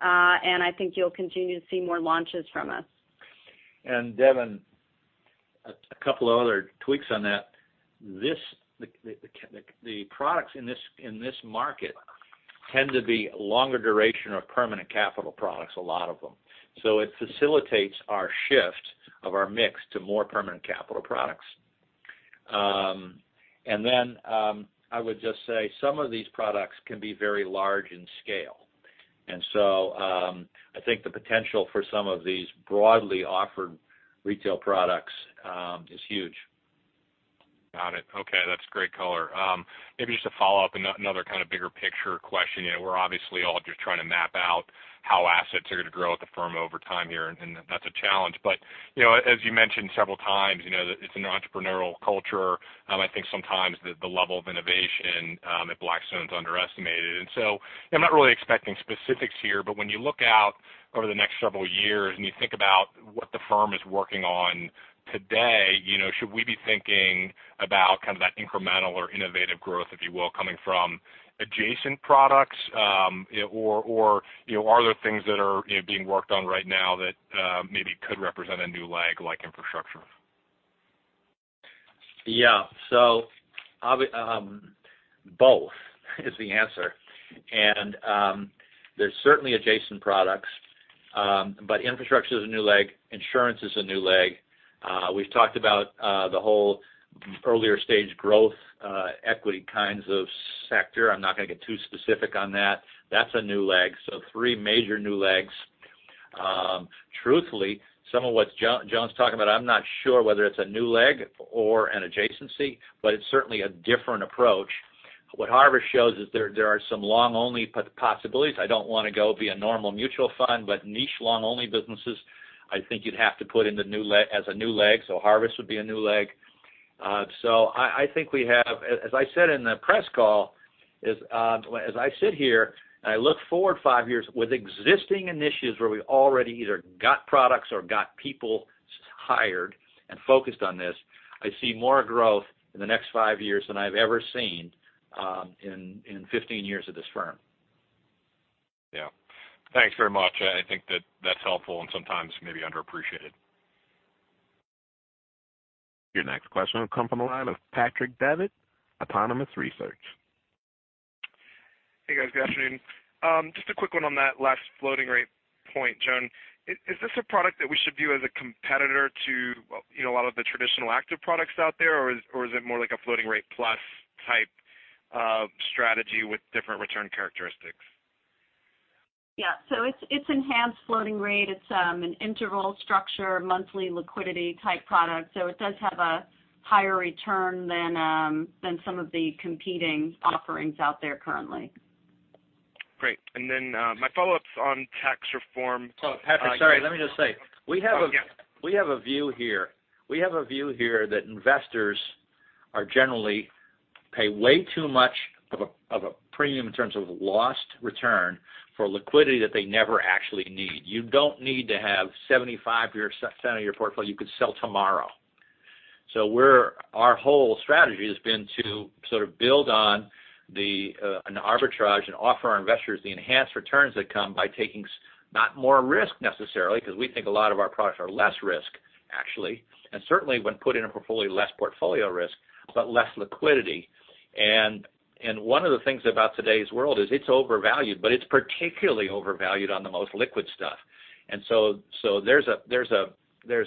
and I think you'll continue to see more launches from us. Devin, a couple of other tweaks on that. The products in this market tend to be longer duration or permanent capital products, a lot of them. It facilitates our shift of our mix to more permanent capital products. I would just say some of these products can be very large in scale. I think the potential for some of these broadly offered retail products is huge. Got it. Okay. That's great color. Maybe just a follow-up, another kind of bigger picture question. We're obviously all just trying to map out how assets are going to grow at the firm over time here, and that's a challenge. As you mentioned several times, it's an entrepreneurial culture. I think sometimes the level of innovation at Blackstone is underestimated. I'm not really expecting specifics here, but when you look out over the next several years, and you think about what the firm is working on today, should we be thinking about that incremental or innovative growth, if you will, coming from adjacent products? Or are there things that are being worked on right now that maybe could represent a new leg like infrastructure? Yeah. Both is the answer. There's certainly adjacent products. Infrastructure is a new leg. Insurance is a new leg. We've talked about the whole earlier stage growth equity kinds of sector. I'm not going to get too specific on that. That's a new leg. Three major new legs. Truthfully, some of what Joan's talking about, I'm not sure whether it's a new leg or an adjacency, but it's certainly a different approach. What Harvest shows is there are some long-only possibilities. I don't want to go be a normal mutual fund, but niche long-only businesses, I think you'd have to put in as a new leg. Harvest would be a new leg. I think we have, as I said in the press call, as I sit here and I look forward five years with existing initiatives where we already either got products or got people hired and focused on this, I see more growth in the next five years than I've ever seen in 15 years at this firm. Yeah. Thanks very much. I think that's helpful and sometimes maybe underappreciated. Your next question will come from the line of Patrick Davitt, Autonomous Research. Hey, guys. Good afternoon. Just a quick one on that last floating rate point, Joan. Is this a product that we should view as a competitor to a lot of the traditional active products out there? Or is it more like a floating rate plus type of strategy with different return characteristics? Yeah. It's enhanced floating rate. It's an interval structure, monthly liquidity type product. It does have a higher return than some of the competing offerings out there currently. Great. My follow-up's on tax reform. Patrick, sorry, let me just say. Yeah. We have a view here that investors generally pay way too much of a premium in terms of lost return for liquidity that they never actually need. You don't need to have 75% of your portfolio you could sell tomorrow. Our whole strategy has been to sort of build on an arbitrage and offer our investors the enhanced returns that come by taking, not more risk necessarily, because we think a lot of our products are less risk, actually, and certainly when put in a portfolio, less portfolio risk, but less liquidity. One of the things about today's world is it's overvalued, but it's particularly overvalued on the most liquid stuff. There's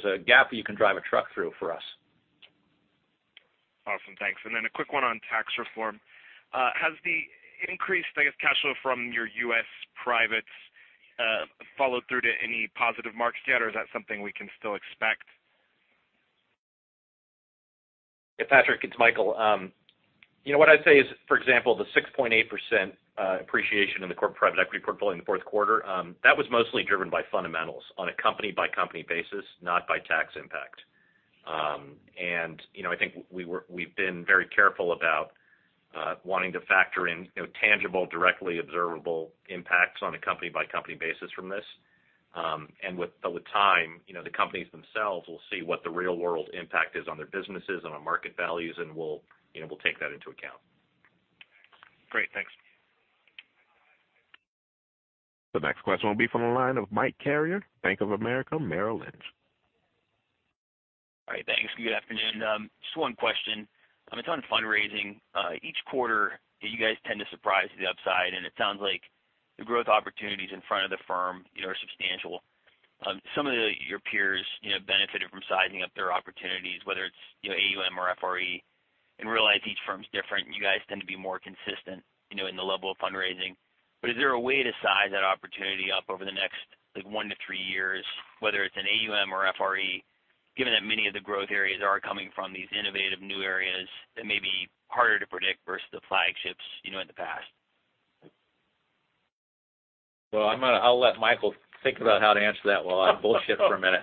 a gap you can drive a truck through for us. Awesome. Thanks. Then a quick one on tax reform. Has the increased, I guess, cash flow from your U.S. privates followed through to any positive marks yet, or is that something we can still expect? Yeah, Patrick, it's Michael. What I'd say is, for example, the 6.8% appreciation in the Core Private Equity portfolio in the fourth quarter, that was mostly driven by fundamentals on a company-by-company basis, not by tax impact. I think we've been very careful about wanting to factor in tangible, directly observable impacts on a company-by-company basis from this. With time, the companies themselves will see what the real-world impact is on their businesses and on market values, and we'll take that into account. Great. Thanks. The next question will be from the line of Mike Carrier, Bank of America Merrill Lynch. All right. Thanks. Good afternoon. Just one question. On the total fundraising, each quarter you guys tend to surprise to the upside, and it sounds like the growth opportunities in front of the firm are substantial. Some of your peers benefited from sizing up their opportunities, whether it's AUM or FRE, and realize each firm's different. You guys tend to be more consistent in the level of fundraising. Is there a way to size that opportunity up over the next one to three years, whether it's in AUM or FRE, given that many of the growth areas are coming from these innovative new areas that may be harder to predict versus the flagships in the past? I'll let Michael Chae think about how to answer that while I bullshit for a minute.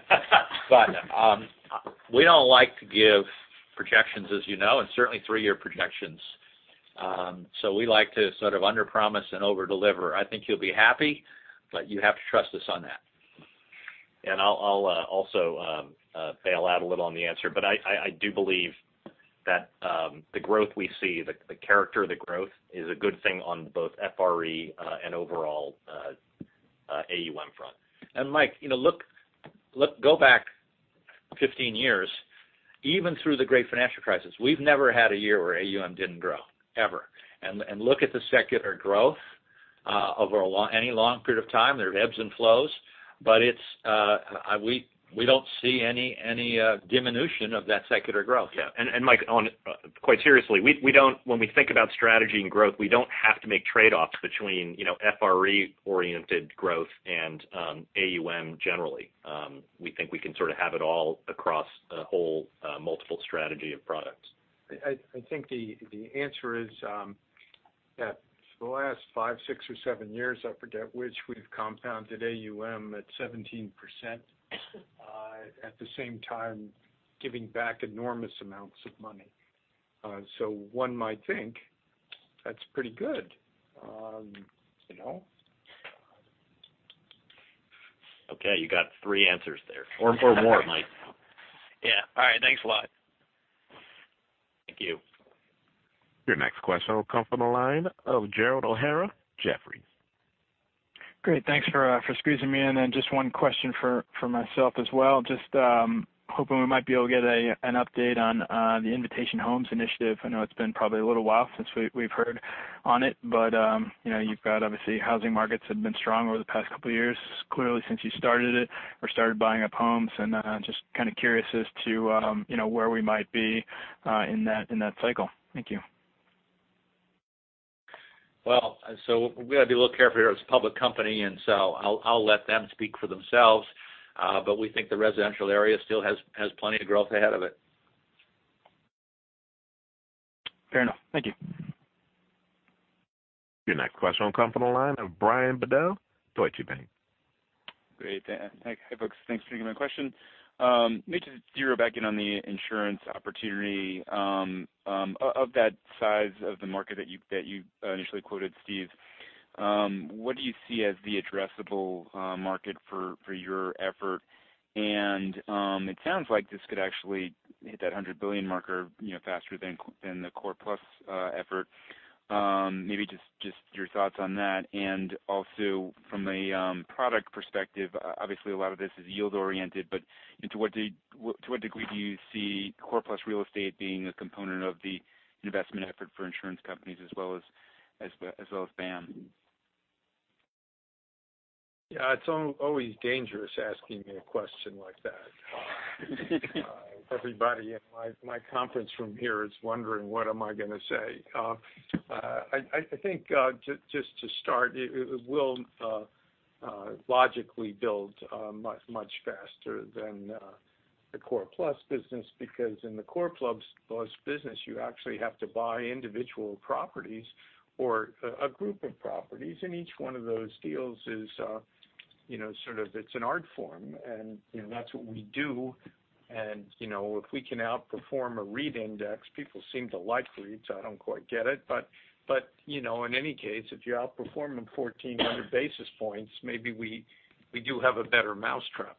We don't like to give projections, as you know, and certainly three-year projections. We like to sort of underpromise and overdeliver. I think you'll be happy, but you have to trust us on that. I'll also bail out a little on the answer. I do believe that the growth we see, the character of the growth is a good thing on both FRE and overall AUM front. Mike, go back 15 years, even through the great financial crisis, we've never had a year where AUM didn't grow, ever. Look at the secular growth over any long period of time. There are ebbs and flows, but we don't see any diminution of that secular growth. Yeah. Mike, quite seriously, when we think about strategy and growth, we don't have to make trade-offs between FRE-oriented growth and AUM generally. We think we can sort of have it all across a whole multiple strategy of products. I think the answer is that for the last five, six, or seven years, I forget which, we've compounded AUM at 17%, at the same time giving back enormous amounts of money. One might think that's pretty good. Okay. You got three answers there. Four more, Mike. Yeah. All right. Thanks a lot. Thank you. Your next question will come from the line of Gerald O'Hara, Jefferies. Great, thanks for squeezing me in. Just one question for myself as well. Just hoping we might be able to get an update on the Invitation Homes Initiative. I know it's been probably a little while since we've heard on it. You've got, obviously, housing markets have been strong over the past couple of years. Clearly, since you started it or started buying up homes, just kind of curious as to where we might be in that cycle. Thank you. Well, we got to be a little careful here. It's a public company. I'll let them speak for themselves. We think the residential area still has plenty of growth ahead of it. Fair enough. Thank you. Your next question will come from the line of Brian Bedell, Deutsche Bank. Great. Hi, folks. Thanks for taking my question. Maybe just to zero back in on the insurance opportunity. Of that size of the market that you initially quoted, Steve, what do you see as the addressable market for your effort? It sounds like this could actually hit that $100 billion marker faster than the Core Plus effort. Maybe just your thoughts on that. Also, from a product perspective, obviously, a lot of this is yield-oriented, but to what degree do you see Core+ Real Estate being a component of the investment effort for insurance companies as well as BAAM? Yeah, it's always dangerous asking me a question like that. Everybody in my conference room here is wondering what am I going to say. I think, just to start, it will logically build much faster than the Core Plus business because in the Core Plus business, you actually have to buy individual properties or a group of properties. Each one of those deals is sort of, it's an art form, and that's what we do. If we can outperform a REIT index, people seem to like REITs. I don't quite get it. In any case, if you're outperforming 1,400 basis points, maybe we do have a better mousetrap,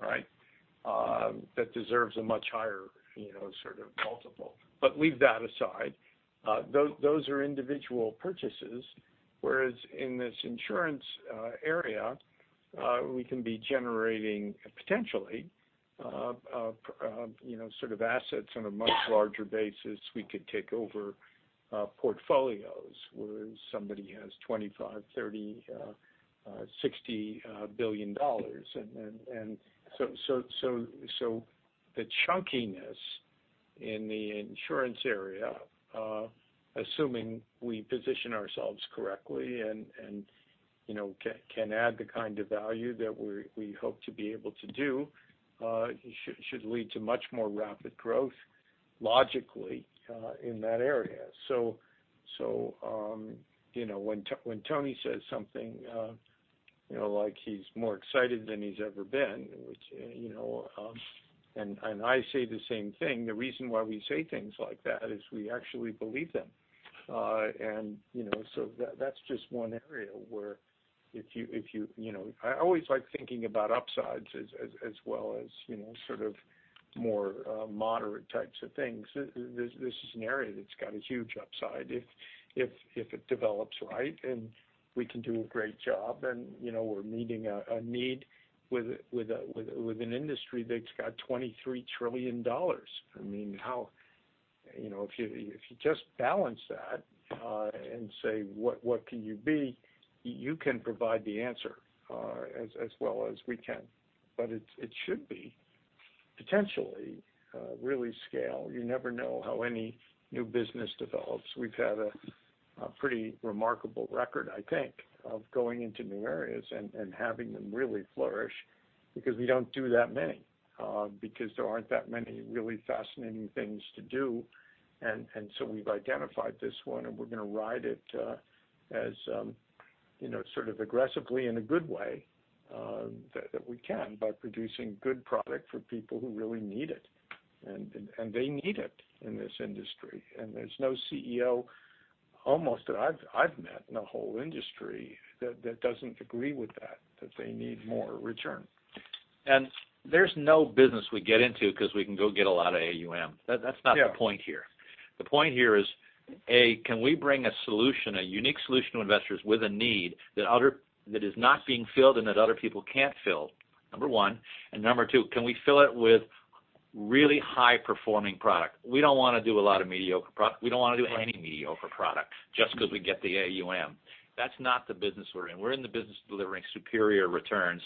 right? That deserves a much higher sort of multiple. Leave that aside. Those are individual purchases, whereas in this insurance area, we can be generating, potentially, sort of assets on a much larger basis. We could take over portfolios where somebody has $25 billion, $30 billion, $60 billion. The chunkiness in the insurance area, assuming we position ourselves correctly and can add the kind of value that we hope to be able to do, should lead to much more rapid growth, logically, in that area. When Tony says something like he's more excited than he's ever been, which, and I say the same thing, the reason why we say things like that is we actually believe them. That's just one area where I always like thinking about upsides as well as sort of more moderate types of things. This is an area that's got a huge upside. If it develops right, and we can do a great job, and we're meeting a need with an industry that's got $23 trillion. I mean, if you just balance that and say, what can you be? You can provide the answer as well as we can. It should be potentially really scale. You never know how any new business develops. We've had a pretty remarkable record, I think, of going into new areas and having them really flourish because we don't do that many, because there aren't that many really fascinating things to do. So we've identified this one, and we're going to ride it as sort of aggressively in a good way that we can by producing good product for people who really need it. They need it in this industry. There's no CEO, almost that I've met in the whole industry that doesn't agree with that they need more return. There's no business we get into because we can go get a lot of AUM. That's not the point here. The point here is, A, can we bring a solution, a unique solution to investors with a need that is not being filled and that other people can't fill, number one. Number two, can we fill it with really high-performing product? We don't want to do a lot of mediocre product. We don't want to do any mediocre product just because we get the AUM. That's not the business we're in. We're in the business of delivering superior returns,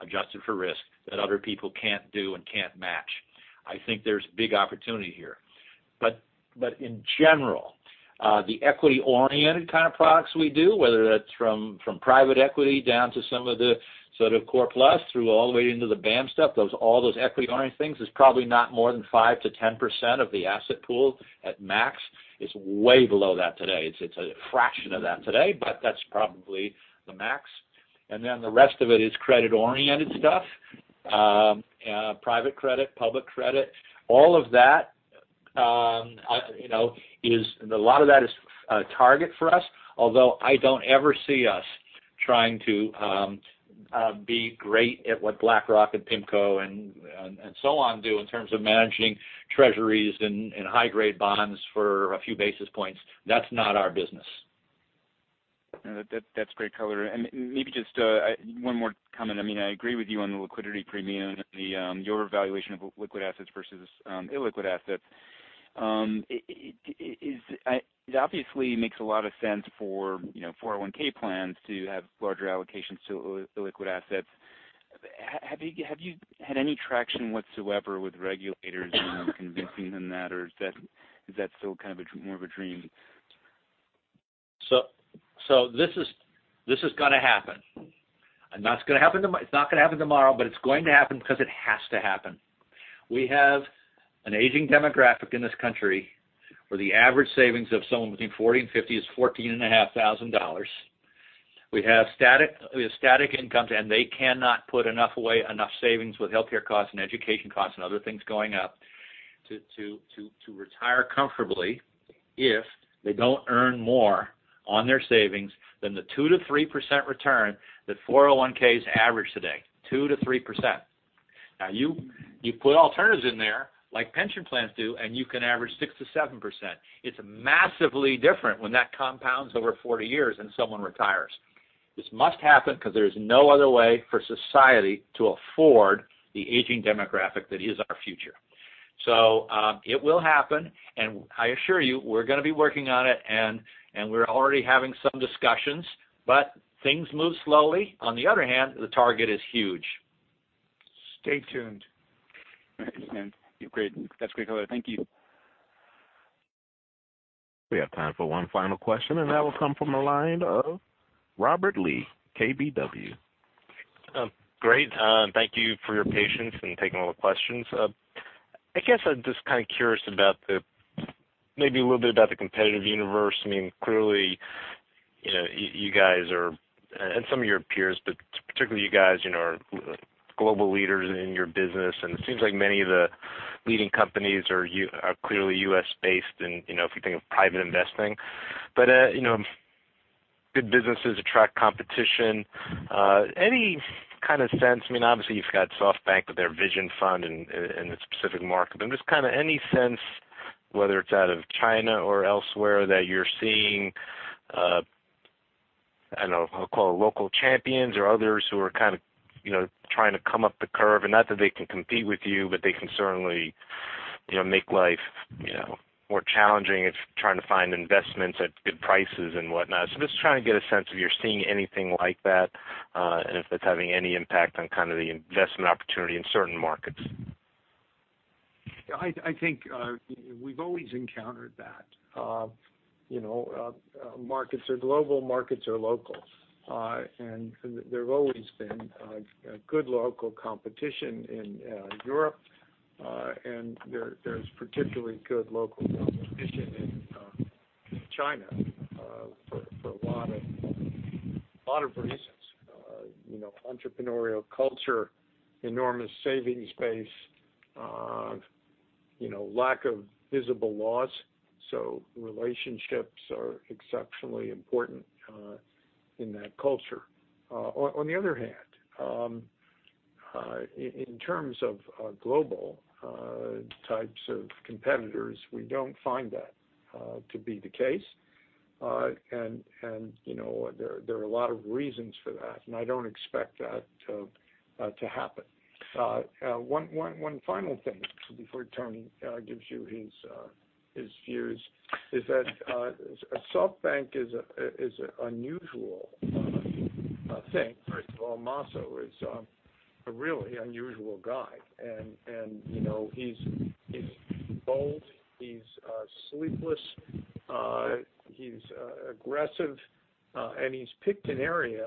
adjusted for risk, that other people can't do and can't match. I think there's big opportunity here. In general, the equity-oriented kind of products we do, whether that's from private equity down to some of the sort of Core Plus through all the way into the BAAM stuff, all those equity-oriented things, is probably not more than 5%-10% of the asset pool at max. It's way below that today. It's a fraction of that today, but that's probably the max. The rest of it is credit-oriented stuff. Private credit, public credit, all of that. A lot of that is a target for us, although I don't ever see us trying to be great at what BlackRock and PIMCO and so on do in terms of managing treasuries and high-grade bonds for a few basis points. That's not our business. No, that's great color. Maybe just one more comment. I agree with you on the liquidity premium, your evaluation of liquid assets versus illiquid assets. It obviously makes a lot of sense for 401 plans to have larger allocations to illiquid assets. Have you had any traction whatsoever with regulators in convincing them that, or is that still kind of more of a dream? This is going to happen. It's not going to happen tomorrow, but it's going to happen because it has to happen. We have an aging demographic in this country where the average savings of someone between 40 and 50 is $14,500. We have static incomes, and they cannot put enough away, enough savings with healthcare costs and education costs and other things going up to retire comfortably if they don't earn more on their savings than the 2%-3% return that 401Ks average today. 2%-3%. You put alternatives in there, like pension plans do, and you can average 6%-7%. It's massively different when that compounds over 40 years and someone retires. This must happen because there is no other way for society to afford the aging demographic that is our future. It will happen, and I assure you, we're going to be working on it and we're already having some discussions. Things move slowly. On the other hand, the target is huge. Stay tuned. Great. That's great color. Thank you. We have time for one final question, that will come from the line of Robert Lee, KBW. Great. Thank you for your patience and taking all the questions. I guess I'm just kind of curious maybe a little bit about the competitive universe. Clearly, you guys are, and some of your peers, but particularly you guys, are global leaders in your business. It seems like many of the leading companies are clearly U.S.-based, if you think of private investing. Good businesses attract competition. Any kind of sense-- Obviously you've got SoftBank with their Vision Fund in the specific market. Just kind of any sense, whether it's out of China or elsewhere, that you're seeing, I don't know, I'll call it local champions or others who are kind of trying to come up the curve and not that they can compete with you, but they can certainly make life more challenging if you're trying to find investments at good prices and whatnot. Just trying to get a sense if you're seeing anything like that, and if it's having any impact on kind of the investment opportunity in certain markets. I think we've always encountered that. Markets are global, markets are local. There's always been a good local competition in Europe. There's particularly good local competition in China for a lot of reasons. Entrepreneurial culture, enormous savings base, lack of visible laws. Relationships are exceptionally important in that culture. On the other hand, in terms of global types of competitors, we don't find that to be the case. There are a lot of reasons for that, and I don't expect that to happen. One final thing before Tony gives you his views is that SoftBank is an unusual thing. First of all, Masayoshi is a really unusual guy. He's bold, he's sleepless, he's aggressive, and he's picked an area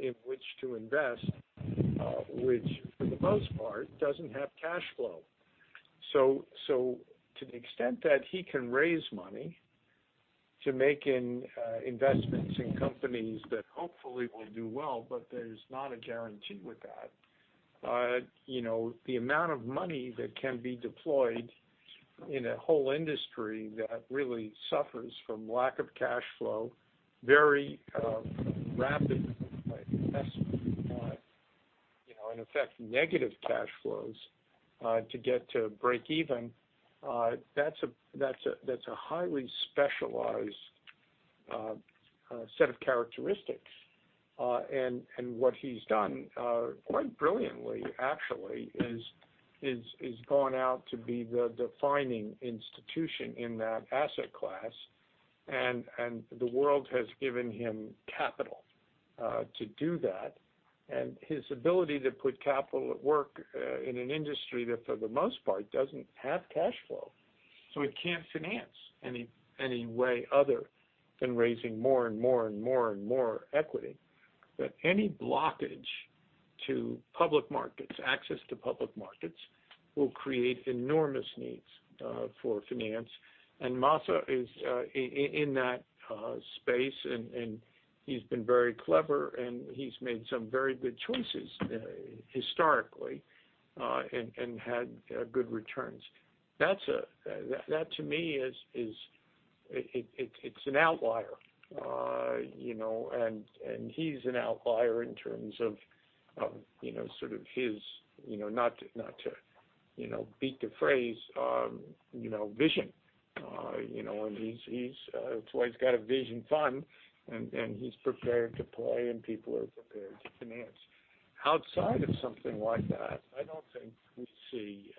in which to invest, which for the most part doesn't have cash flow. To the extent that he can raise money to make investments in companies that hopefully will do well, there's not a guarantee with that. The amount of money that can be deployed in a whole industry that really suffers from lack of cash flow very rapidly by investment. In effect, negative cash flows to get to break even, that's a highly specialized set of characteristics. What he's done, quite brilliantly actually, is gone out to be the defining institution in that asset class. The world has given him capital to do that. His ability to put capital at work in an industry that, for the most part, doesn't have cash flow, so it can't finance any way other than raising more and more equity. Any blockage to public markets, access to public markets, will create enormous needs for finance. Masayoshi is in that space, and he's been very clever, and he's made some very good choices historically, and had good returns. That to me is an outlier. He's an outlier in terms of sort of his, not to beat the phrase, vision. That's why he's got a Vision Fund, and he's prepared to play, and people are prepared to finance. Outside of something like that, I don't think we see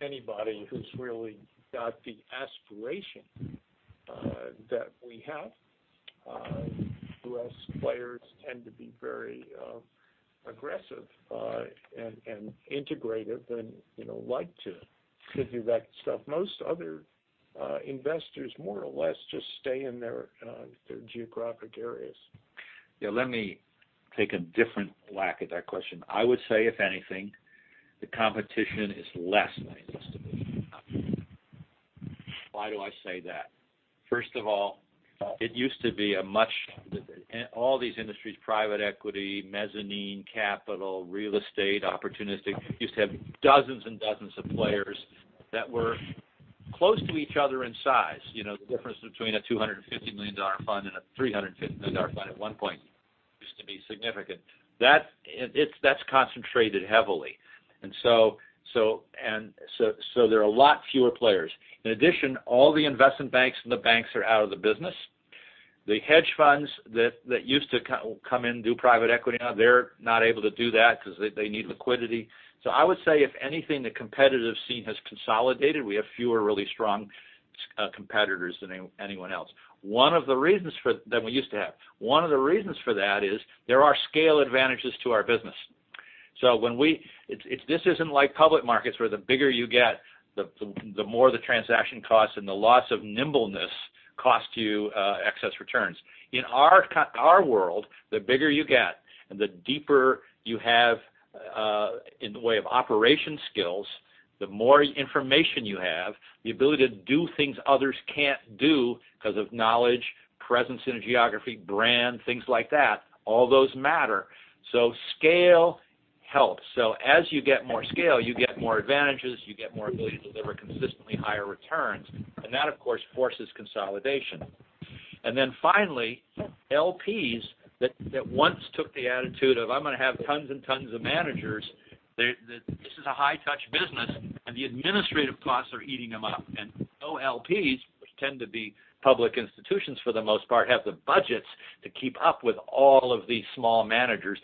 anybody who's really got the aspiration That we have. U.S. players tend to be very aggressive and integrative and like to do that stuff. Most other investors more or less just stay in their geographic areas. Let me take a different whack at that question. I would say, if anything, the competition is less than it used to be. Why do I say that? First of all, All these industries, private equity, mezzanine capital, real estate, opportunistic, used to have dozens and dozens of players that were close to each other in size. The difference between a $250 million fund and a $350 million fund at one point used to be significant. That's concentrated heavily. There are a lot fewer players. In addition, all the investment banks and the banks are out of the business. The hedge funds that used to come in and do private equity, now they're not able to do that because they need liquidity. I would say, if anything, the competitive scene has consolidated. We have fewer really strong competitors than anyone else than we used to have. One of the reasons for that is there are scale advantages to our business. This isn't like public markets where the bigger you get, the more the transaction costs and the loss of nimbleness costs you excess returns. In our world, the bigger you get and the deeper you have in the way of operation skills, the more information you have, the ability to do things others can't do because of knowledge, presence in a geography, brand, things like that, all those matter. Scale helps. As you get more scale, you get more advantages, you get more ability to deliver consistently higher returns. That, of course, forces consolidation. Finally, LPs that once took the attitude of, "I'm going to have tons and tons of managers," this is a high-touch business, and the administrative costs are eating them up. No LPs, which tend to be public institutions for the most part, have the budgets to keep up with all of these small managers.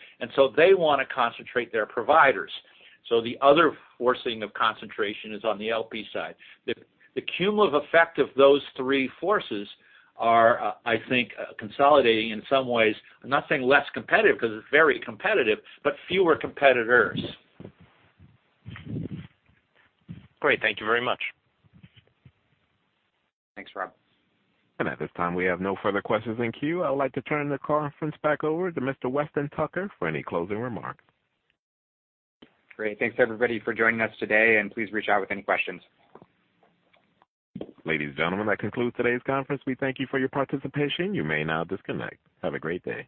They want to concentrate their providers. The other forcing of concentration is on the LP side. The cumulative effect of those three forces are, I think, consolidating in some ways. I'm not saying less competitive, because it's very competitive, but fewer competitors. Great. Thank you very much. Thanks, Rob. At this time, we have no further questions in queue. I'd like to turn the conference back over to Mr. Weston Tucker for any closing remarks. Great. Thanks, everybody, for joining us today. Please reach out with any questions. Ladies and gentlemen, that concludes today's conference. We thank you for your participation. You may now disconnect. Have a great day.